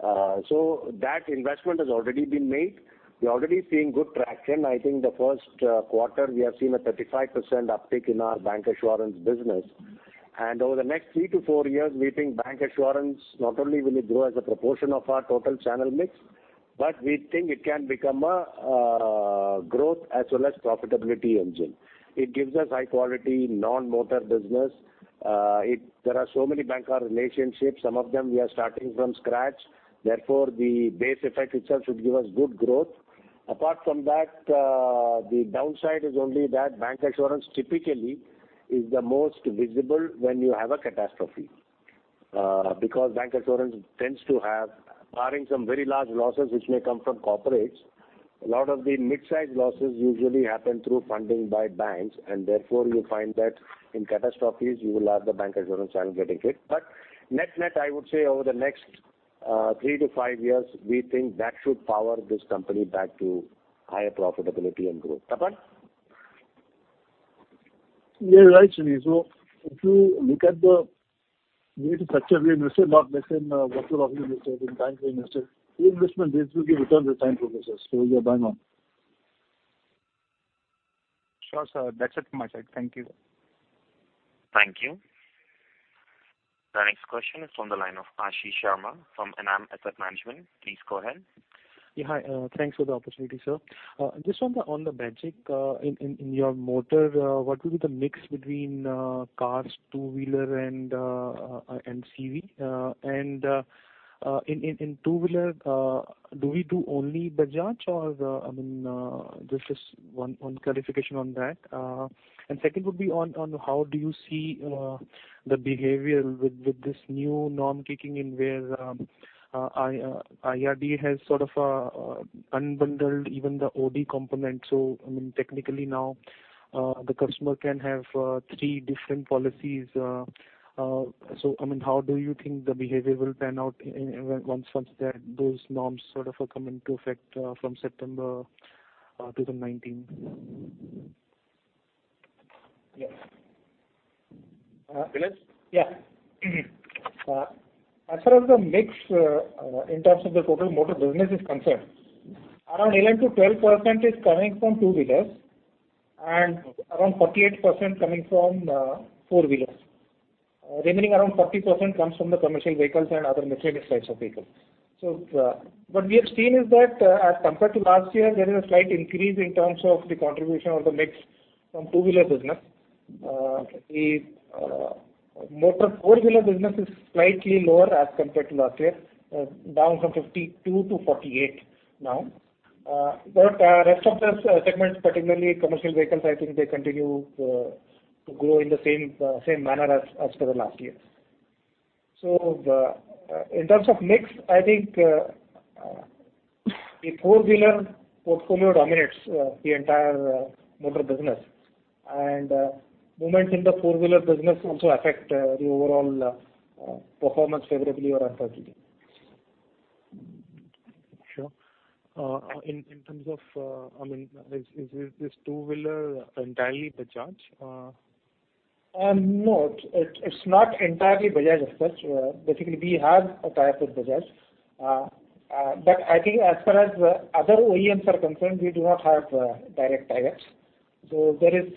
That investment has already been made. We're already seeing good traction. I think the first quarter we have seen a 35% uptick in our bancassurance business. Over the next three to four years, we think bancassurance, not only will it grow as a proportion of our total channel mix, but we think it can become a growth as well as profitability engine. It gives us high-quality non-motor business. There are so many bancassurance relationships. Some of them we are starting from scratch, therefore the base effect itself should give us good growth. Apart from that, the downside is only that bancassurance typically is the most visible when you have a catastrophe. Bancassurance tends to have, barring some very large losses which may come from corporates, a lot of the mid-size losses usually happen through funding by banks, and therefore you find that in catastrophes, you will have the bancassurance arm getting hit. Net-net, I would say over the next three to five years, we think that should power this company back to higher profitability and growth. Tapan? You're right, Sreeni. If you look at the way to structure the investment, not less than what Tarun has said and Tapan has said, the investment basically returns as time progresses. Year by year. Sure, sir. That's it from my side. Thank you. Thank you. The next question is from the line of Ashish Sharma from Enam Asset Management. Please go ahead. Hi, thanks for the opportunity, sir. Just on the basic, in your motor, what will be the mix between cars, two-wheeler, and CV? In two-wheeler, do we do only Bajaj? Just one clarification on that. Second would be on how do you see the behavior with this new norm kicking in where IRDA has sort of unbundled even the OD component. Technically now the customer can have three different policies. How do you think the behavior will pan out once those norms come into effect from September 2019? Yes. Vilas? As far as the mix in terms of the total motor business is concerned, around 11%-12% is coming from two-wheelers and around 48% coming from four-wheelers. Remaining around 40% comes from the commercial vehicles and other miscellaneous types of vehicles. What we have seen is that as compared to last year, there is a slight increase in terms of the contribution or the mix from two-wheeler business. The motor four-wheeler business is slightly lower as compared to last year, down from 52%-48% now. Rest of the segments, particularly commercial vehicles, I think they continue to grow in the same manner as for the last years. In terms of mix, I think the four-wheeler portfolio dominates the entire motor business, and movements in the four-wheeler business also affect the overall performance favorably or unfavorably. Sure. In terms of, is this two-wheeler entirely Bajaj? It's not entirely Bajaj as such. Basically, we have a tie-up with Bajaj. I think as far as other OEMs are concerned, we do not have direct tie-ups. There is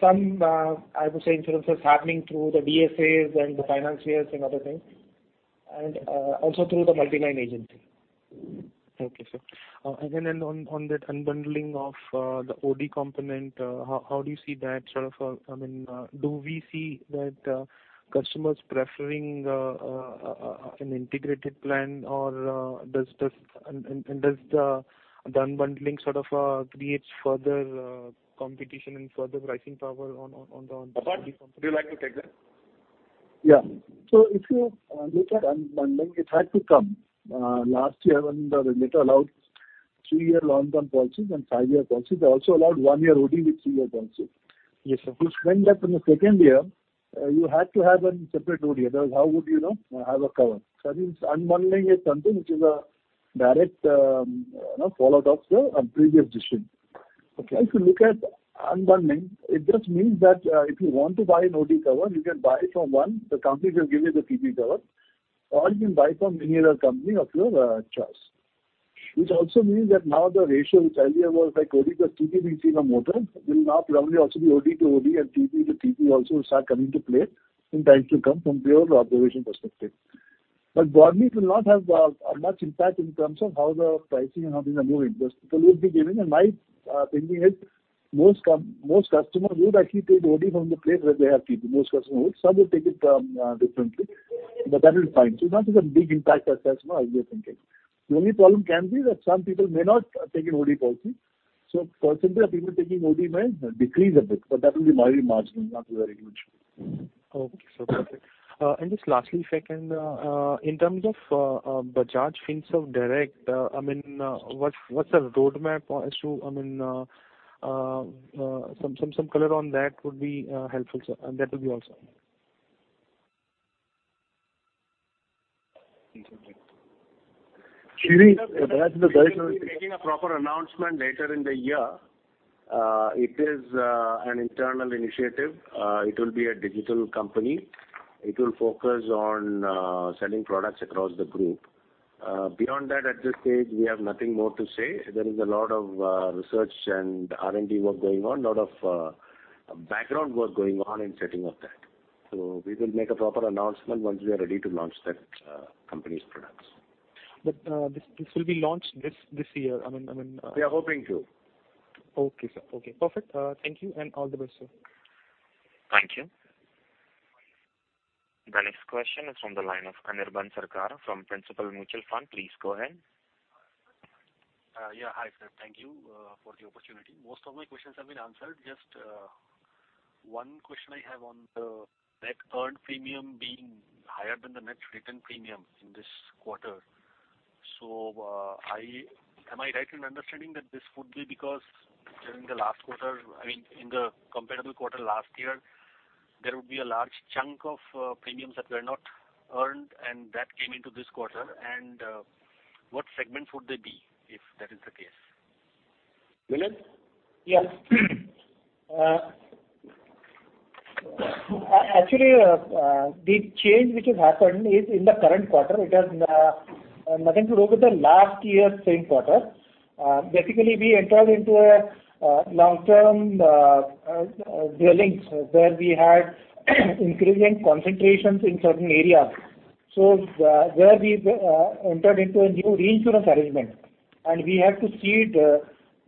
some, I would say, insurances happening through the DSAs and the financiers and other things, and also through the multi-line agency. Okay, sir. Again, on that unbundling of the OD component, how do you see that? Do we see that customers preferring an integrated plan or does the unbundling create further competition and further pricing power? Abha, would you like to take that? Yeah. If you look at unbundling, it had to come. Last year when the regulator allowed three-year add-on policies and five-year policies, they also allowed one-year OD with three-year policy. Yes, sir. Which meant that in the second year, you had to have a separate OD, otherwise how would you have a cover? Unbundling is something which is a direct fallout of the previous decision. Okay. If you look at unbundling, it just means that if you want to buy an OD cover, you can buy from one. The company will give you the TP cover, or you can buy from any other company of your choice. Also means that now the ratio, which earlier was like OD to TP, we see in a motor, will now probably also be OD to OD and TP to TP also will start coming into play in times to come from a pure observation perspective. Broadly, it will not have a much impact in terms of how the pricing and how things are moving. Those people will be given, and my thinking is most customers would actually take OD from the place where they have TP. Most customers would. That is fine, too. Not a big impact as such, now I'll be thinking. The only problem can be that some people may not take an OD policy, so percentage of people taking OD might decrease a bit, but that will be very marginal, not a very big issue. Okay, sir. Perfect. Lastly, if I can, in terms of Bajaj Finserv Direct, what's the roadmap as to? Some color on that would be helpful, sir. That will be all, sir. Sreeni, that's. We will be making a proper announcement later in the year. It is an internal initiative. It will be a digital company. It will focus on selling products across the group. Beyond that, at this stage, we have nothing more to say. There is a lot of research and R&D work going on, lot of background work going on in setting up that. We will make a proper announcement once we are ready to launch that company's products. This will be launched this year? We are hoping to. Okay, sir. Okay, perfect. Thank you, and all the best, sir. Thank you. The next question is from the line of Anirban Sarkar from Principal Mutual Fund. Please go ahead. Yeah. Hi, sir. Thank you for the opportunity. Most of my questions have been answered. Just one question I have on the net earned premium being higher than the net written premium in this quarter. Am I right in understanding that this would be because during the last quarter, in the comparable quarter last year, there would be a large chunk of premiums that were not earned and that came into this quarter? What segment would they be if that is the case? Vilas? Yes. Actually, the change which has happened is in the current quarter. It has nothing to do with the last year's same quarter. We entered into a long-term dwellings where we had increasing concentrations in certain areas. Where we entered into a new reinsurance arrangement, and we had to cede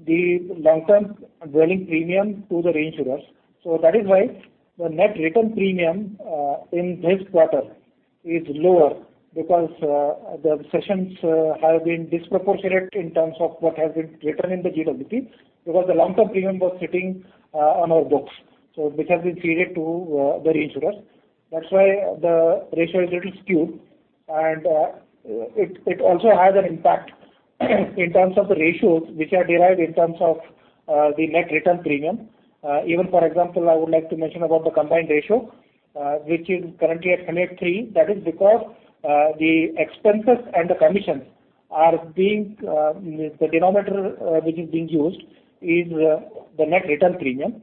the long-term dwelling premium to the reinsurers. That is why the net return premium in this quarter is lower because the sessions have been disproportionate in terms of what has been written in the GWP, because the long-term premium was sitting on our books. This has been ceded to the reinsurers. That's why the ratio is a little skewed, and it also has an impact in terms of the ratios which are derived in terms of the net return premium. For example, I would like to mention about the combined ratio, which is currently at 103. That is because the expenses and the commissions, the denominator which is being used is the net return premium.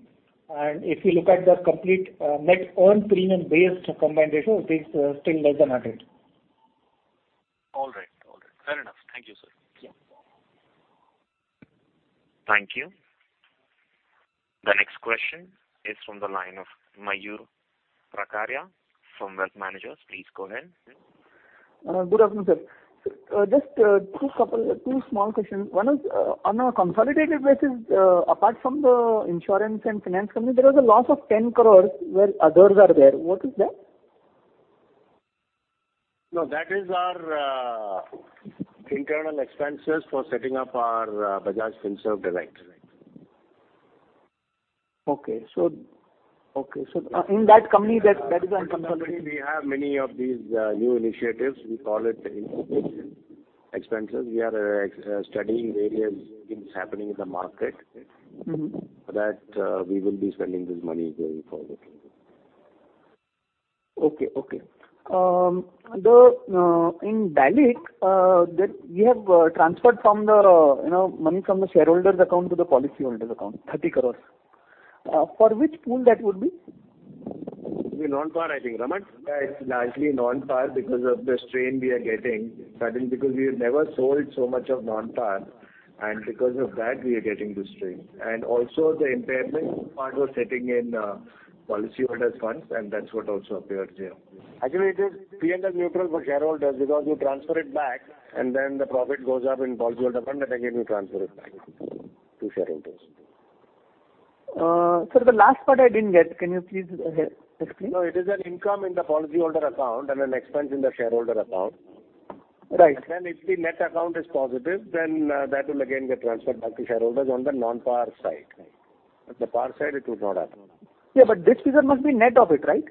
If you look at the complete net earned premium-based combined ratio, it is still less than 100. All right. Fair enough. Thank you, sir. Yeah. Thank you. The next question is from the line of Mayur Parkeria from Wealth Managers. Please go ahead. Good afternoon, sir. Just two small questions. One is, on a consolidated basis, apart from the insurance and finance company, there was a loss of 10 crores where others are there. What is that? No, that is our internal expenses for setting up our Bajaj Finserv Direct. Okay. We have many of these new initiatives. We call it incubation expenses. We are studying various things happening in the market that we will be spending this money going forward. Okay. In BALIC, you have transferred money from the shareholders' account to the policyholders' account, 30 crores. For which pool that would be? It'll be Non-PAR, I think. Raman? It's largely Non-PAR because of the strain we are getting suddenly because we have never sold so much of Non-PAR, and because of that, we are getting the strain. Also the impairment part was sitting in policyholders' funds, and that's what also appears here. Actually, it is P&L neutral for shareholders because you transfer it back, and then the profit goes up in policyholder fund, and again, you transfer it back to shareholders. Sir, the last part I didn't get. Can you please explain? No, it is an income in the policyholder account and an expense in the shareholder account. Right. If the net account is positive, then that will again get transferred back to shareholders on the Non-PAR side. At the PAR side, it would not happen. Yeah, this figure must be net of it, right?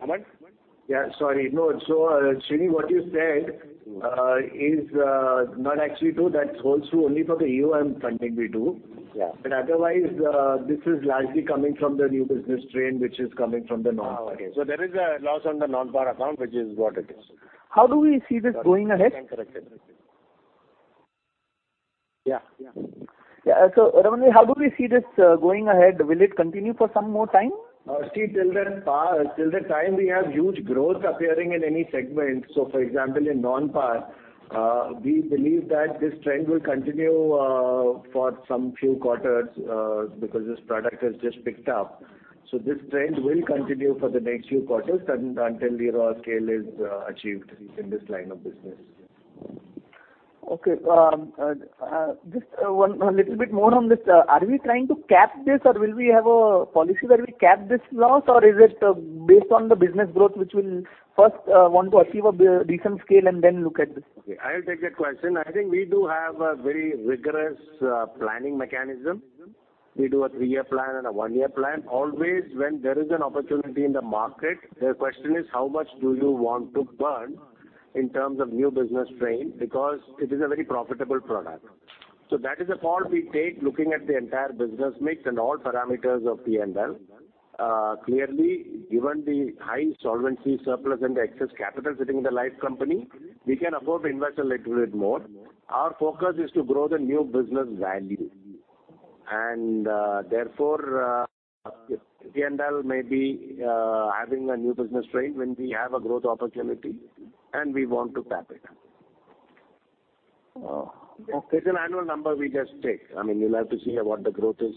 Raman? Yeah, sorry. No. Sreeni, what you said is not actually true. That holds true only for the EOM funding we do. Yeah. Otherwise, this is largely coming from the new business strain, which is coming from the Non-PAR. Okay. There is a loss on the Non-PAR account, which is what it is. How do we see this going ahead? Yeah. Yeah. Raman, how do we see this going ahead? Will it continue for some more time? Till the time we have huge growth appearing in any segment, for example, in Non-PAR, we believe that this trend will continue for some few quarters because this product has just picked up. This trend will continue for the next few quarters until the raw scale is achieved in this line of business. Okay. Just a little bit more on this. Are we trying to cap this, or will we have a policy where we cap this loss, or is it based on the business growth, which we'll first want to achieve a decent scale and then look at this? I'll take that question. I think we do have a very rigorous planning mechanism. We do a three-year plan and a one-year plan. Always when there is an opportunity in the market, the question is how much do you want to burn in terms of new business strain because it is a very profitable product. That is a call we take looking at the entire business mix and all parameters of P&L. Clearly, given the high solvency surplus and the excess capital sitting in the life company, we can afford to invest a little bit more. Our focus is to grow the new business value. Therefore P&L may be having a new business strain when we have a growth opportunity and we want to cap it. Oh, okay. It's an annual number we just take. We'll have to see what the growth is.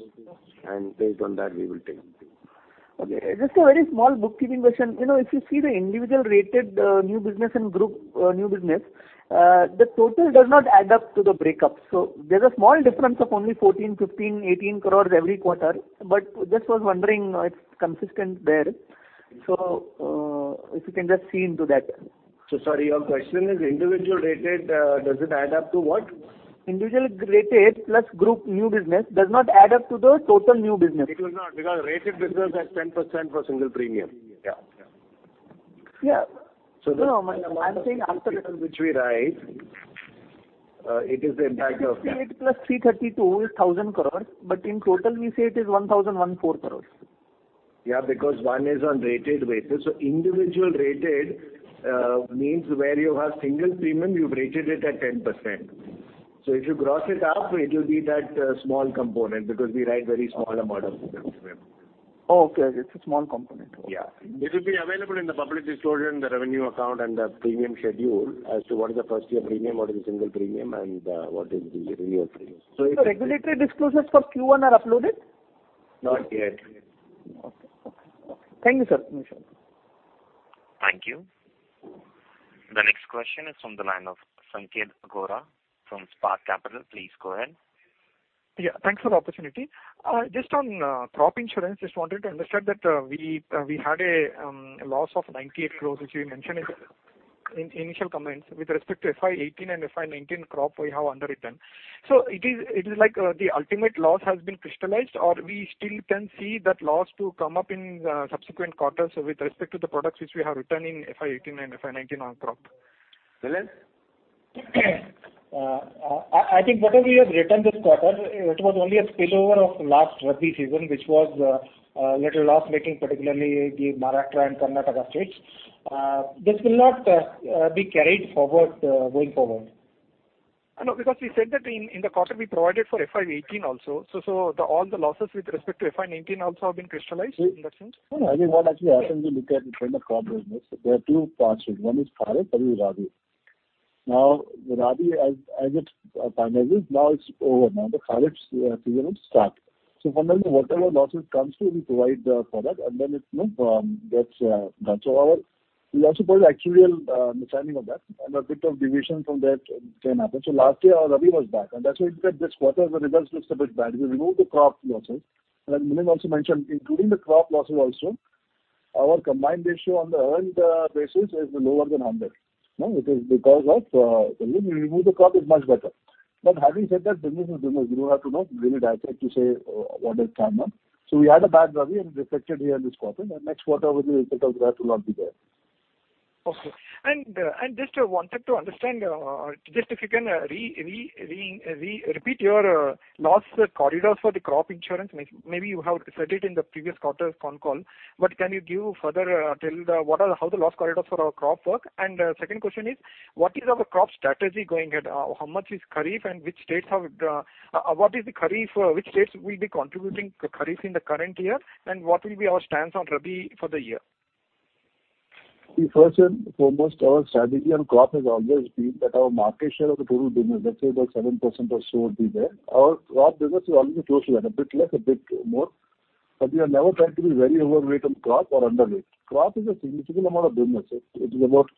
Based on that, we will take. Okay. Just a very small bookkeeping question. If you see the individual-rated new business and group new business, the total does not add up to the breakup. There's a small difference of only 14 crores, 15 crores, 18 crores every quarter, but just was wondering if it's consistent there. If you can just see into that. Sorry, your question is individual rated, does it add up to what? Individual rated plus group new business does not add up to the total new business. It will not because rated business has 10% for single premium. Yeah. No, I'm saying Which we write, it is the impact of that. 68 plus 332 is 1,000 crores, but in total, we say it is 1,104 crores. Because one is on rated basis. Individual rated means where you have single premium, you've rated it at 10%. If you gross it up, it will be that small component because we write a very small amount of business premium. Okay. It's a small component. Yeah. It will be available in the public disclosure in the revenue account and the premium schedule as to what is the first year premium, what is the single premium, and what is the real premium. Regulatory disclosures for Q1 are uploaded? Not yet. Okay. Thank you, sir. Sure. Thank you. The next question is from the line of Sanket Agarwal from Spark Capital. Please go ahead. Yeah. Thanks for the opportunity. Just on crop insurance, just wanted to understand that we had a loss of 98 crore, which you mentioned in initial comments with respect to FY 2018 and FY 2019 crop we have underwritten. It is like the ultimate loss has been crystallized, or we still can see that loss to come up in subsequent quarters with respect to the products which we have written in FY 2018 and FY 2019 on crop? Milind? I think whatever we have written this quarter, it was only a spillover of last rabi season, which was a little loss making, particularly the Maharashtra and Karnataka states. This will not be carried forward going forward. I know, because we said that in the quarter we provided for FY 2018 also. All the losses with respect to FY 2019 also have been crystallized in that sense? No, I think what actually happens, you look at in front of crop business, there are two parts to it. One is kharif, and one is rabi. Now, the rabi as it finalizes, now it's over. Now the kharif season will start. For now, whatever losses comes, we provide for that, and then it gets done. We also put an actuarial understanding of that, and a bit of deviation from that can happen. Last year our rabi was bad, and that's why this quarter the results looks a bit bad. We removed the crop losses. As Milind also mentioned, including the crop losses also, our combined ratio on the earned basis is lower than 100. It is because of, even we remove the crop, it's much better. Having said that, business is business. You don't have to really dissect to say what has come up. We had a bad Rabi and it reflected here in this quarter. Next quarter, we will take out that will not be there. Okay. Just wanted to understand, just if you can repeat your loss corridors for the crop insurance. Maybe you have said it in the previous quarter's con call. Can you give further tell how the loss corridors for our crop work? Second question is, what is our crop strategy going ahead? How much is kharif and which states will be contributing kharif in the current year, and what will be our stance on rabi for the year? See, first and foremost, our strategy on crop has always been that our market share of the total business, let's say about 7% or so would be there. Our crop business is always close to that, a bit less, a bit more. We are never trying to be very overweight on crop or underweight. Crop is a significant amount of business. It is about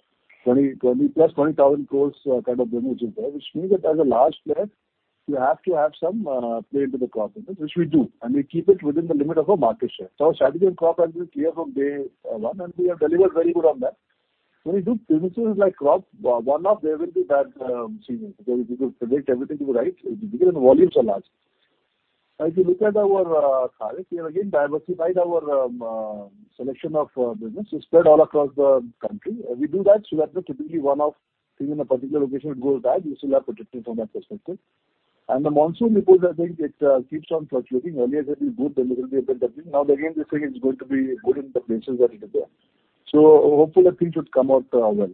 plus 20,000 crores kind of business is there, which means that as a large player, you have to have some play into the crop business, which we do, and we keep it within the limit of our market share. Our strategy on crop has been clear from day one, and we have delivered very good on that. When you do businesses like crop, there will be bad seasons. You could predict everything to be right because the volumes are large. If you look at our kharif, we have again diversified our selection of business. It's spread all across the country. We do that so that if typically one of, say, in a particular location it goes bad, we still are protected from that perspective. The monsoon report, I think it keeps on fluctuating. Earlier it will be good, then it will be a bit up. Now again, they're saying it's going to be good in some places that it is there. Hopefully things should come out well.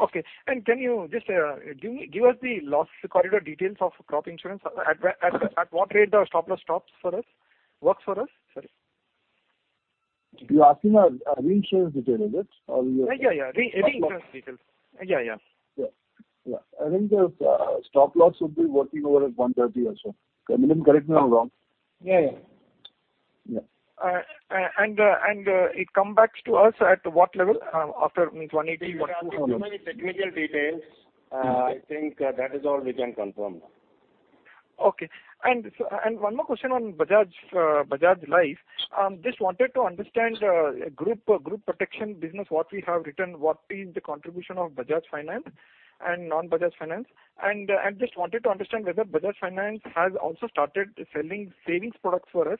Okay. Can you just give us the loss corridor details of crop insurance? At what rate the stop loss works for us, sorry? You're asking our reinsurance detail, is it? Yeah. Reinsurance details. Yeah. Yeah. I think the stop loss would be working over at 130 or so. Milind, correct me if I'm wrong. Yeah. Yeah. It come backs to us at what level after 180, 200? These are too many technical details. I think that is all we can confirm now. Okay. One more question on Bajaj Life. Just wanted to understand group protection business, what we have written, what is the contribution of Bajaj Finance and non-Bajaj Finance. Just wanted to understand whether Bajaj Finance has also started selling savings products for us,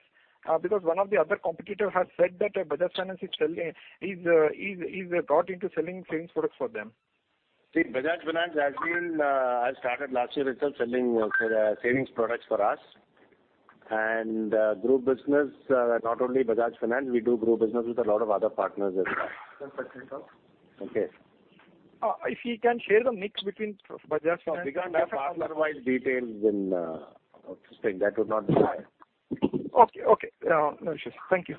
because one of the other competitor has said that Bajaj Finance is got into selling savings products for them. See, Bajaj Finance has started last year itself selling savings products for us. Group business, not only Bajaj Finance, we do group business with a lot of other partners as well. Yes, Sanket. Okay. If you can share the mix between Bajaj Finance- We can't have partner-wise details in a thing that would not be fair. Okay. No issues. Thank you.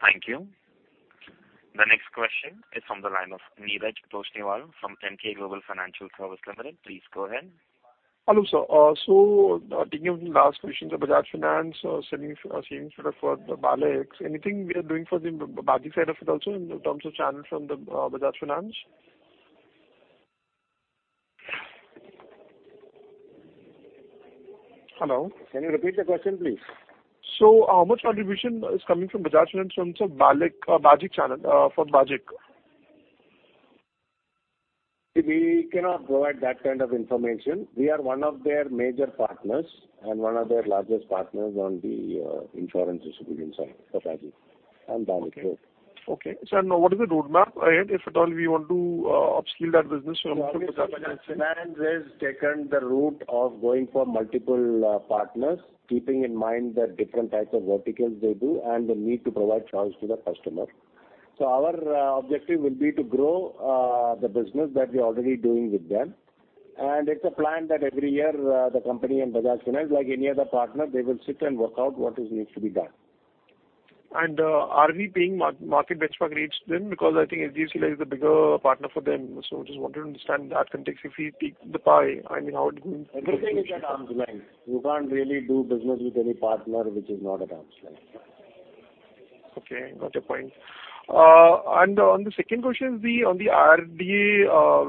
Thank you. The next question is from the line of Neeraj Toshniwal from Emkay Global Financial Services Limited. Please go ahead. Hello, sir. Taking off from the last questions of Bajaj Finance selling savings product for the Bajaj, anything we are doing for the BAGIC side of it also in terms of channel from the Bajaj Finance? Hello? Can you repeat the question, please? How much contribution is coming from Bajaj Finance from the BAGIC channel for BAGIC? We cannot provide that kind of information. We are one of their major partners and one of their largest partners on the insurance distribution side for BAGIC and BALIC. Okay. What is the roadmap ahead, if at all we want to upskill that business from Bajaj Finance? Bajaj Finance has taken the route of going for multiple partners, keeping in mind the different types of verticals they do and the need to provide choice to the customer. Our objective will be to grow the business that we're already doing with them. It's a plan that every year the company and Bajaj Finance, like any other partner, they will sit and work out what needs to be done. Are we paying market benchmark rates then? Because I think HDFC is the bigger partner for them. Just wanted to understand that context. If we take the pie, how it goes. Everything is at arm's length. You can't really do business with any partner which is not at arm's length. Okay, got your point. On the second question is on the IRDA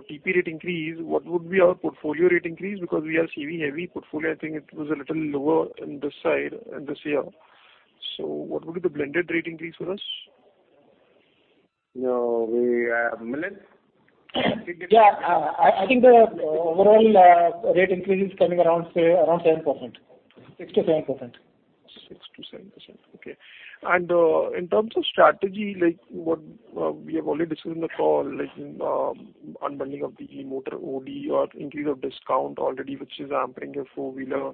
TP rate increase, what would be our portfolio rate increase? We are CV heavy portfolio, I think it was a little lower on this side and this year. What would be the blended rate increase for us? We have Milind. Yeah. I think the overall rate increase is coming around 7%, 6%-7%. 6% to 7%, okay. In terms of strategy, like what we have already discussed in the call, like unbundling of the E-motor OD or increase of discount already, which is hampering your four-wheeler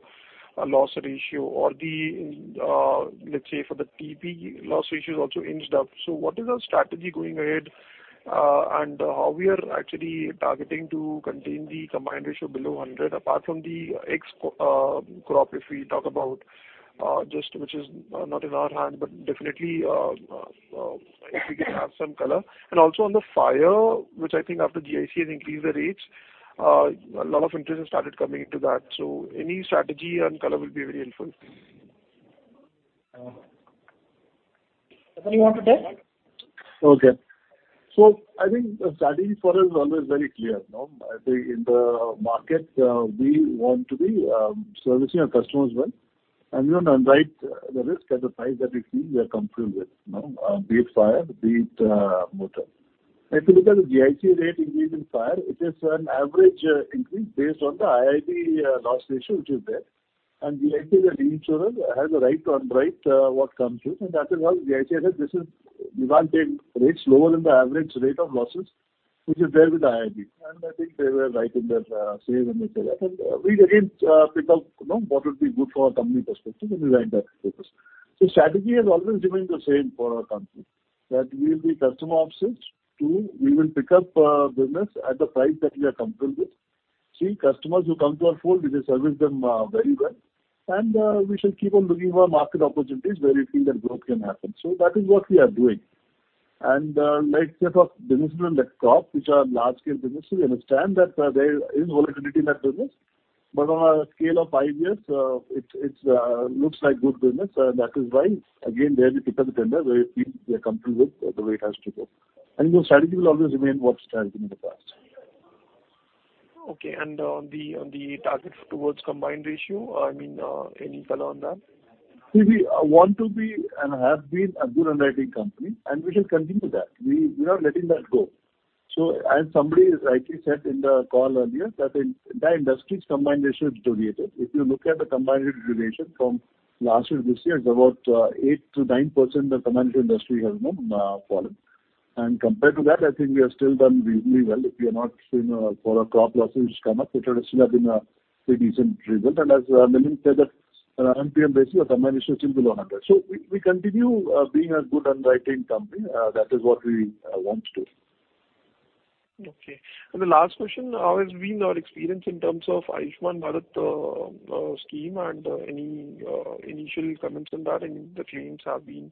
loss ratio or let's say for the TP loss ratio is also inched up. What is our strategy going ahead, and how we are actually targeting to contain the combined ratio below 100, apart from the ex-crop, if we talk about just which is not in our hand, but definitely if we can have some color. Also on the fire, which I think after GIC has increased the rates, a lot of interest has started coming into that. Any strategy and color will be very helpful. Anything you want to tell? Okay. I think the strategy for us is always very clear. I think in the market, we want to be servicing our customers well, and we want to underwrite the risk at the price that we feel we are comfortable with. Be it fire, be it motor. If you look at the GIC rate increase in fire, it is an average increase based on the IIB loss ratio which is there, and GIC as a reinsurer has a right to underwrite what comes in, and that is why GIC says you can't take rates lower than the average rate of losses which is there with the IIB. I think they were right in their says and et cetera. We again pick up what would be good for our company perspective and we write that business. Strategy has always remained the same for our company, that we will be customer obsessed. Two, we will pick up business at the price that we are comfortable with. Three, customers who come to our fold, we will service them very well, and we shall keep on looking for market opportunities where we feel that growth can happen. That is what we are doing. Like say for businesses like crop, which are large-scale businesses, we understand that there is volatility in that business. On a scale of five years, it looks like good business. That is why, again, there we pick up the tender where we feel we are comfortable with the way it has to go. The strategy will always remain what strategy in the past. Okay. On the target towards combined ratio, any color on that? We want to be and have been a good underwriting company, and we shall continue that. We are not letting that go. As somebody rightly said in the call earlier, that entire industry's combined ratio has deteriorated. If you look at the combined ratio deterioration from last year to this year, it's about 8%-9% the combined industry has fallen. Compared to that, I think we have still done reasonably well. If you have not seen our crop losses which come up, we should still have been a pretty decent result. As Milind said that MPM ratio or combined ratio is still below 100. We continue being a good underwriting company. That is what we want to. Okay. The last question, how has been our experience in terms of Ayushman Bharat scheme and any initial comments on that, and the claims have been?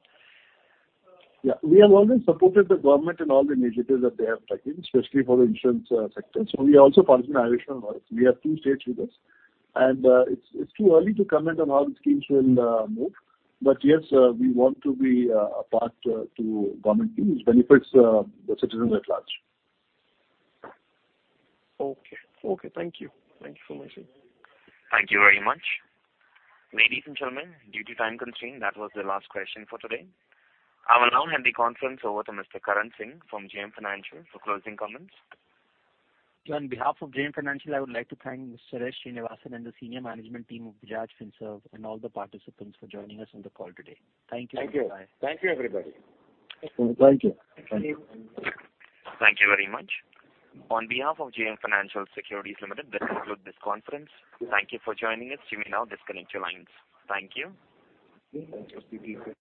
We have always supported the government in all the initiatives that they have taken, especially for the insurance sector. We are also part of Ayushman Bharat. We have two states with us. It's too early to comment on how the schemes will move. Yes, we want to be a part to government schemes, benefits the citizens at large. Okay. Thank you. Thank you so much, sir. Thank you very much. Ladies and gentlemen, due to time constraint, that was the last question for today. I will now hand the conference over to Mr. Karan Singh from JM Financial for closing comments. On behalf of JM Financial, I would like to thank Mr. S. Sreenivasan and the senior management team of Bajaj Finserv and all the participants for joining us on the call today. Thank you and bye. Thank you. Thank you, everybody. Thank you. Thank you very much. On behalf of JM Financial Securities Limited, this concludes this conference. Thank you for joining us. You may now disconnect your lines. Thank you. Thank you.